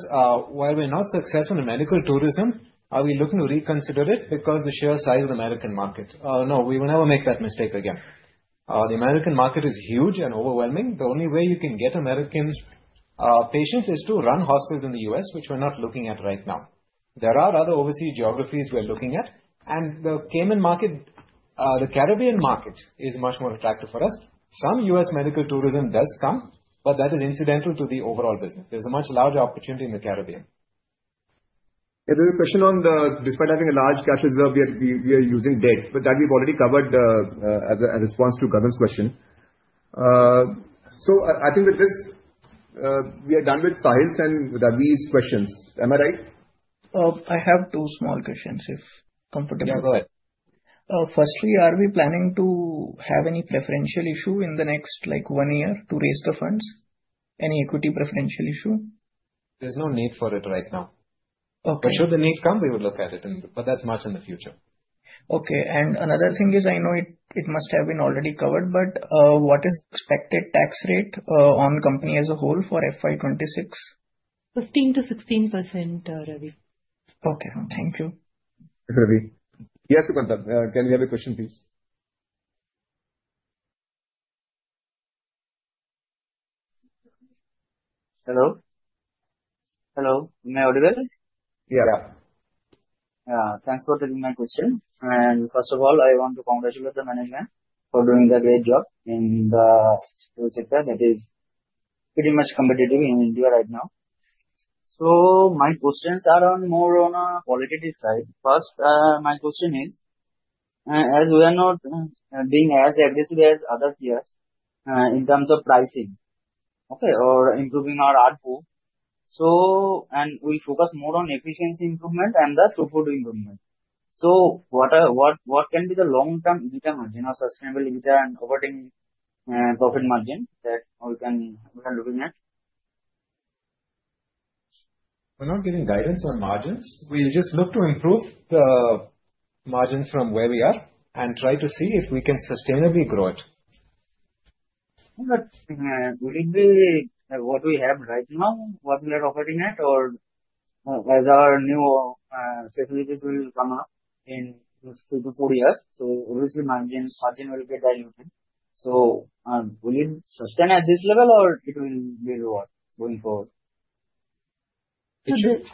Speaker 6: while we're not successful in medical tourism, are we looking to reconsider it because of the sheer size of the American market? No. We will never make that mistake again. The American market is huge and overwhelming. The only way you can get American patients is to run hospitals in the U.S., which we're not looking at right now. There are other overseas geographies we're looking at, and the Cayman market, the Caribbean market is much more attractive for us. Some U.S. medical tourism does come, but that is incidental to the overall business. There's a much larger opportunity in the Caribbean.
Speaker 1: There's a question on the, despite having a large cash reserve, we are using debt. But that we've already covered as a response to Gagan's question. So I think with this, we are done with Sahil's and Ravi's questions. Am I right?
Speaker 15: I have two small questions, if comfortable.
Speaker 6: Yeah. Go ahead.
Speaker 15: Firstly, are we planning to have any preferential issue in the next one year to raise the funds? Any equity preferential issue?
Speaker 6: There's no need for it right now. But should the need come, we would look at it. But that's much in the future.
Speaker 15: Okay, and another thing is, I know it must have been already covered, but what is the expected tax rate on the company as a whole for FY26?
Speaker 5: 15%-16%, Ravi.
Speaker 15: Okay. Thank you.
Speaker 1: Ravi? Yeah. Sukharth, can you have a question, please?
Speaker 16: Hello? Hello? Am I audible?
Speaker 6: Yeah.
Speaker 16: Yeah. Yeah. Thanks for taking my question. And first of all, I want to congratulate the management for doing a great job in the sector that is pretty much competitive in India right now. So my questions are more on a qualitative side. First, my question is, as we are not being as aggressive as other peers in terms of pricing, okay, or improving our R2, and we focus more on efficiency improvement and the throughput improvement. So what can be the long-term return margin or sustainability and operating profit margin that we are looking at?
Speaker 6: We're not giving guidance on margins. We just look to improve the margins from where we are and try to see if we can sustainably grow it.
Speaker 16: Will it be what we have right now, what we are operating at, or as our new facilities will come up in three to four years, so obviously margin will get diluted? So will it sustain at this level, or it will be lower going forward?
Speaker 5: Very good.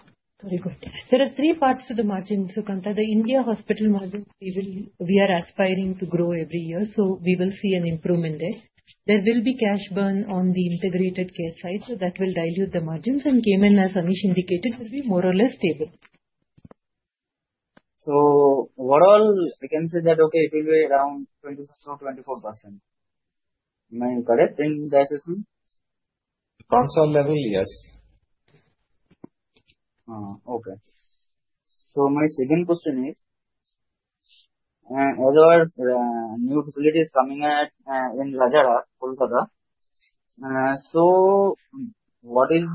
Speaker 5: There are three parts to the margin, Sukharth. The India hospital margin, we are aspiring to grow every year, so we will see an improvement there. There will be cash burn on the integrated care side, so that will dilute the margins, and Cayman, as Aneesh indicated, will be more or less stable.
Speaker 16: So overall, I can say that, okay, it will be around 26% to 24%. Am I correct in the assessment?
Speaker 4: Console level, yes.
Speaker 16: Okay. So my second question is, as our new facility is coming in Rajarhat, Kolkata, so what will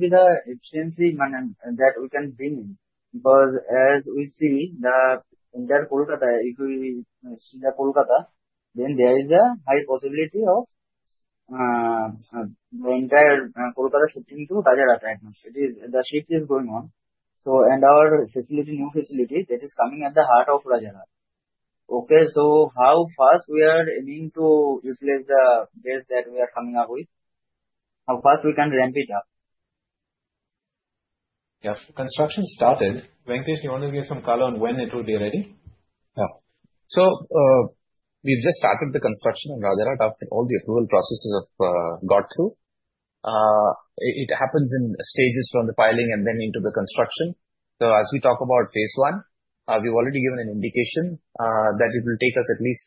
Speaker 16: be the efficiency that we can bring in? Because as we see the entire Kolkata, if we see the Kolkata, then there is a high possibility of the entire Kolkata shifting to Rajarhat type of shift. The shift is going on. And our facility, new facility, that is coming at the heart of Rajarhat. Okay. So how fast we are aiming to utilize the base that we are coming up with? How fast we can ramp it up?
Speaker 6: Yeah. Construction started. Venkatesh, do you want to give some color on when it will be ready?
Speaker 16: Yeah. So we've just started the construction in Rajarhat. All the approval processes have gone through. It happens in stages from the piling and then into the construction. So as we talk about phase one, we've already given an indication that it will take us at least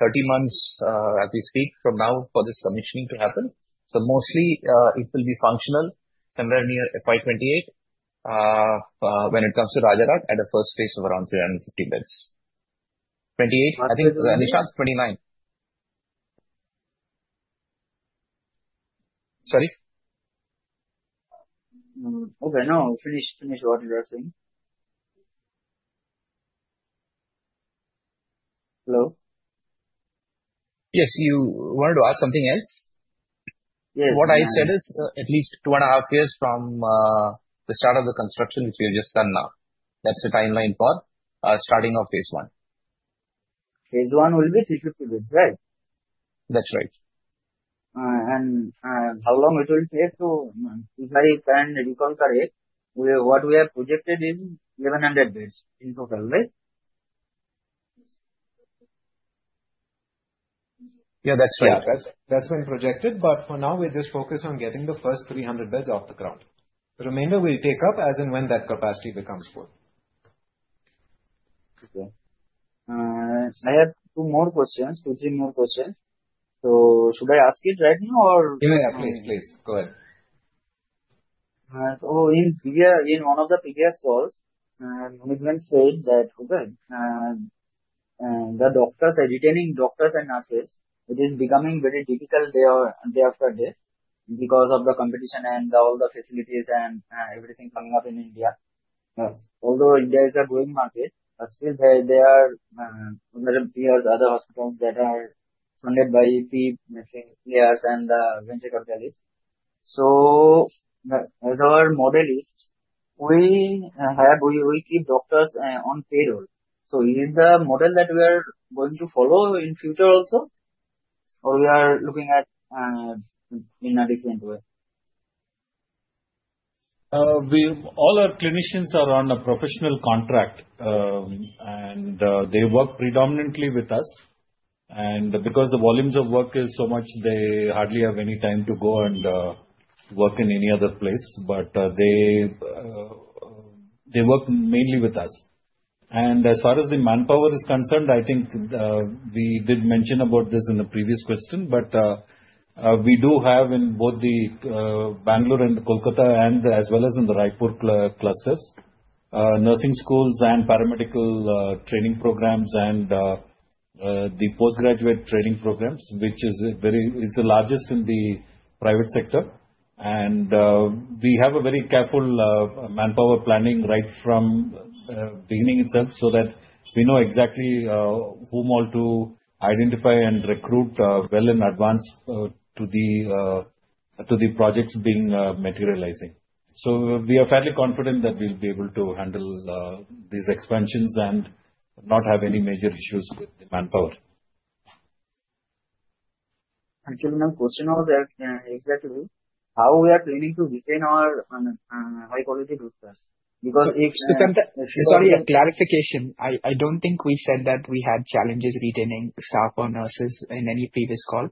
Speaker 16: 30 months as we speak from now for this commissioning to happen. So mostly, it will be functional somewhere near FY28 when it comes to Rajarhat at a first phase of around 350 beds. 28, I think Nishant's 29. Sorry? Okay. No. Finish what you are saying. Hello?
Speaker 6: Yes. You wanted to ask something else?
Speaker 16: Yes.
Speaker 6: What I said is at least two and a half years from the start of the construction, which we have just done now. That's the timeline for starting of phase one.
Speaker 16: Phase one will be 350 beds, right?
Speaker 6: That's right.
Speaker 16: How long it will take to, if I can recalculate, what we have projected is 1,100 beds in total, right?
Speaker 6: Yeah. That's right. That's been projected. But for now, we're just focused on getting the first 300 beds off the ground. The remainder we'll take up as and when that capacity becomes full.
Speaker 16: Okay. I have two more questions, two, three more questions. So should I ask it right now, or?
Speaker 6: Yeah. Yeah. Please, please. Go ahead.
Speaker 16: So in one of the previous calls, management said that, okay, the retaining doctors and nurses, it is becoming very difficult day after day because of the competition and all the facilities and everything coming up in India. Although India is a growing market, still there are other hospitals that are funded by PE, mainstream players, and venture capitalists. So as our model is, we keep doctors on payroll. So is the model that we are going to follow in future also, or we are looking at in a different way?
Speaker 6: All our clinicians are on a professional contract, and they work predominantly with us, and because the volumes of work is so much, they hardly have any time to go and work in any other place, but they work mainly with us. And as far as the manpower is concerned, I think we did mention about this in the previous question, but we do have in both the Bangalore and Kolkata, as well as in the Raipur clusters, nursing schools and paramedical training programs and the postgraduate training programs, which is the largest in the private sector, and we have a very careful manpower planning right from beginning itself so that we know exactly whom all to identify and recruit well in advance to the projects being materializing, so we are fairly confident that we'll be able to handle these expansions and not have any major issues with the manpower.
Speaker 16: Actually, my question was exactly how we are planning to retain our high-quality doctors. Because if.
Speaker 6: Sukharth, sorry, a clarification. I don't think we said that we had challenges retaining staff or nurses in any previous call.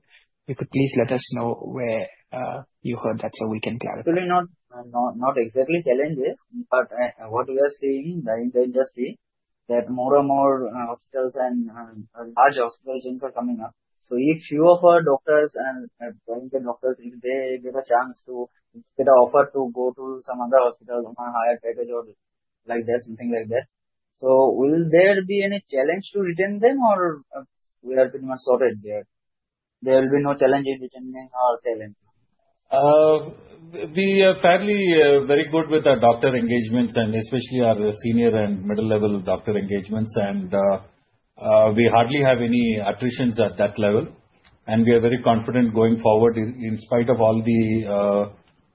Speaker 6: If you could please let us know where you heard that so we can clarify.
Speaker 16: Not exactly challenges, but what we are seeing in the industry is that more and more hospitals and large hospital chains are coming up. So if fewer doctors and paramedic doctors, if they get a chance to get an offer to go to some other hospital on a higher package or like this, something like that, so will there be any challenge to retain them, or we are pretty much sorted there? There will be no challenge in retaining our talent?
Speaker 6: We are fairly very good with our doctor engagements, and especially our senior and middle-level doctor engagements. We hardly have any attrition at that level. We are very confident going forward. In spite of all the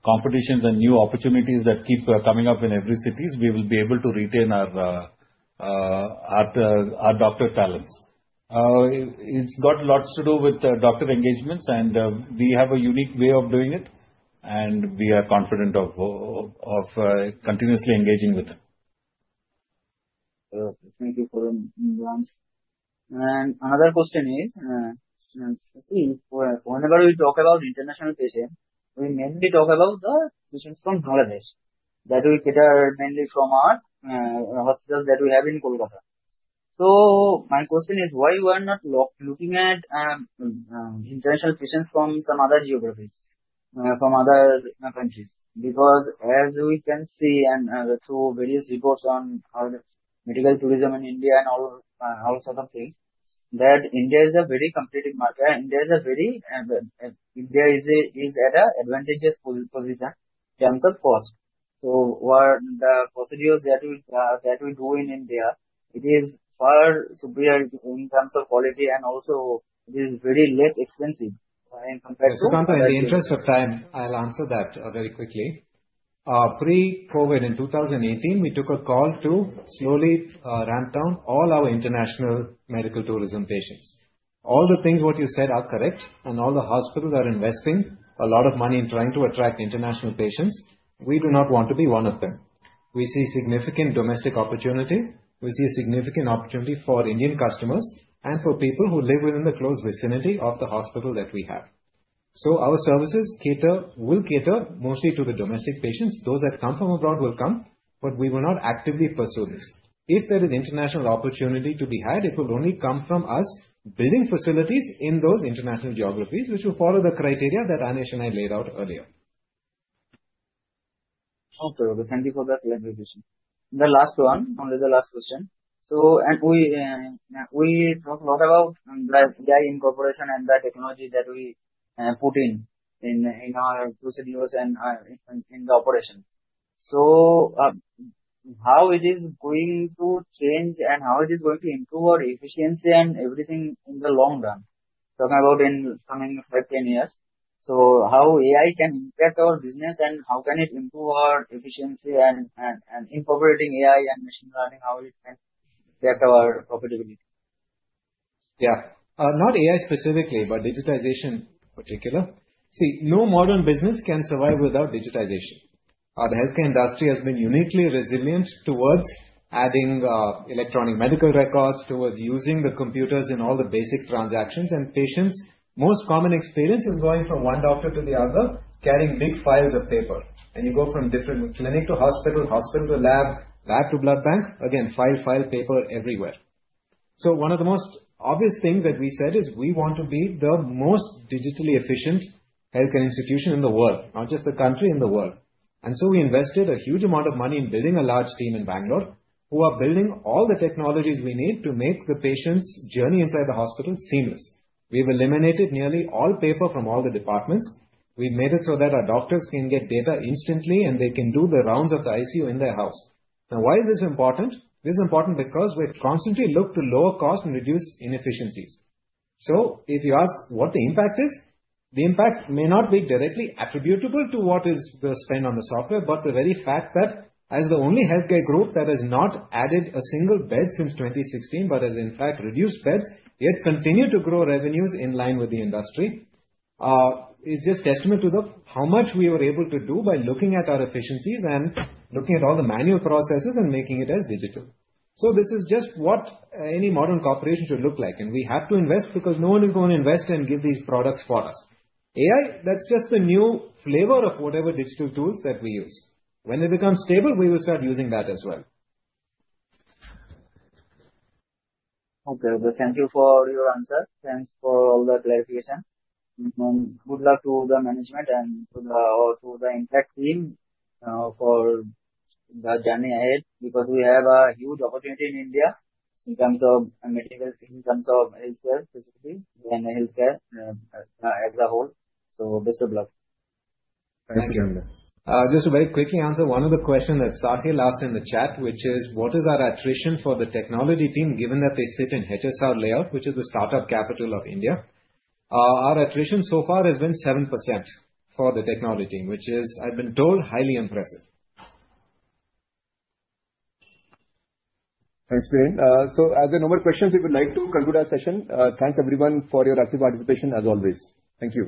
Speaker 6: competition and new opportunities that keep coming up in every city, we will be able to retain our doctor talent. It's got lots to do with doctor engagements, and we have a unique way of doing it. We are confident of continuously engaging with them.
Speaker 16: Thank you for the nuance, and another question is, whenever we talk about international patients, we mainly talk about the patients from Bangladesh that we cater mainly from our hospitals that we have in Kolkata. So my question is, why we are not looking at international patients from some other geographies, from other countries? Because as we can see and through various reports on medical tourism in India and all sorts of things, that India is a very competitive market. India is a very advantageous position in terms of cost. So the procedures that we do in India, it is far superior in terms of quality and also it is very less expensive in compared to.
Speaker 6: Sukharth, in the interest of time, I'll answer that very quickly. Pre-COVID, in 2018, we took a call to slowly ramp down all our international medical tourism patients. All the things what you said are correct. And all the hospitals are investing a lot of money in trying to attract international patients. We do not want to be one of them. We see significant domestic opportunity. We see a significant opportunity for Indian customers and for people who live within the close vicinity of the hospital that we have. So our services will cater mostly to the domestic patients. Those that come from abroad will come, but we will not actively pursue this. If there is international opportunity to be had, it will only come from us building facilities in those international geographies, which will follow the criteria that Aneesh and I laid out earlier.
Speaker 16: Okay. Thank you for that clarification. The last one, only the last question, and we talk a lot about the AI incorporation and the technology that we put in our procedures and in the operation, so how it is going to change and how it is going to improve our efficiency and everything in the long run, talking about in the coming five, 10 years, so how AI can impact our business and how can it improve our efficiency and incorporating AI and machine learning, how it can impact our profitability?
Speaker 6: Yeah. Not AI specifically, but digitization in particular. See, no modern business can survive without digitization. The healthcare industry has been uniquely resilient towards adding electronic medical records, towards using the computers in all the basic transactions. And patients, most common experience is going from one doctor to the other, carrying big files of paper. And you go from different clinic to hospital, hospital to lab, lab to blood bank, again, file, file, paper everywhere. So one of the most obvious things that we said is we want to be the most digitally efficient healthcare institution in the world, not just the country in the world. And so we invested a huge amount of money in building a large team in Bangalore who are building all the technologies we need to make the patient's journey inside the hospital seamless. We have eliminated nearly all paper from all the departments.
Speaker 16: We've made it so that our doctors can get data instantly, and they can do the rounds of the ICU in their house. Now, why is this important? This is important because we have constantly looked to lower cost and reduce inefficiencies. So if you ask what the impact is, the impact may not be directly attributable to what is the spend on the software, but the very fact that as the only healthcare group that has not added a single bed since 2016 but has, in fact, reduced beds, yet continued to grow revenues in line with the industry, is just a testament to how much we were able to do by looking at our efficiencies and looking at all the manual processes and making it as digital. So this is just what any modern corporation should look like.
Speaker 6: And we have to invest because no one is going to invest and give these products for us. AI, that's just the new flavor of whatever digital tools that we use. When they become stable, we will start using that as well.
Speaker 16: Okay. Thank you for your answer. Thanks for all the clarification. Good luck to the management and to the impact team for the journey ahead because we have a huge opportunity in India in terms of medical, in terms of healthcare specifically, and healthcare as a whole, so best of luck.
Speaker 6: Thank you. Just a very quick answer. One other question that Sahil asked in the chat, which is, what is our attrition for the technology team, given that they sit in HSR Layout, which is the startup capital of India? Our attrition so far has been 7% for the technology team, which is, I've been told, highly impressive. Thanks, Priyan. So are there no more questions we would like to conclude our session? Thanks, everyone, for your active participation, as always. Thank you.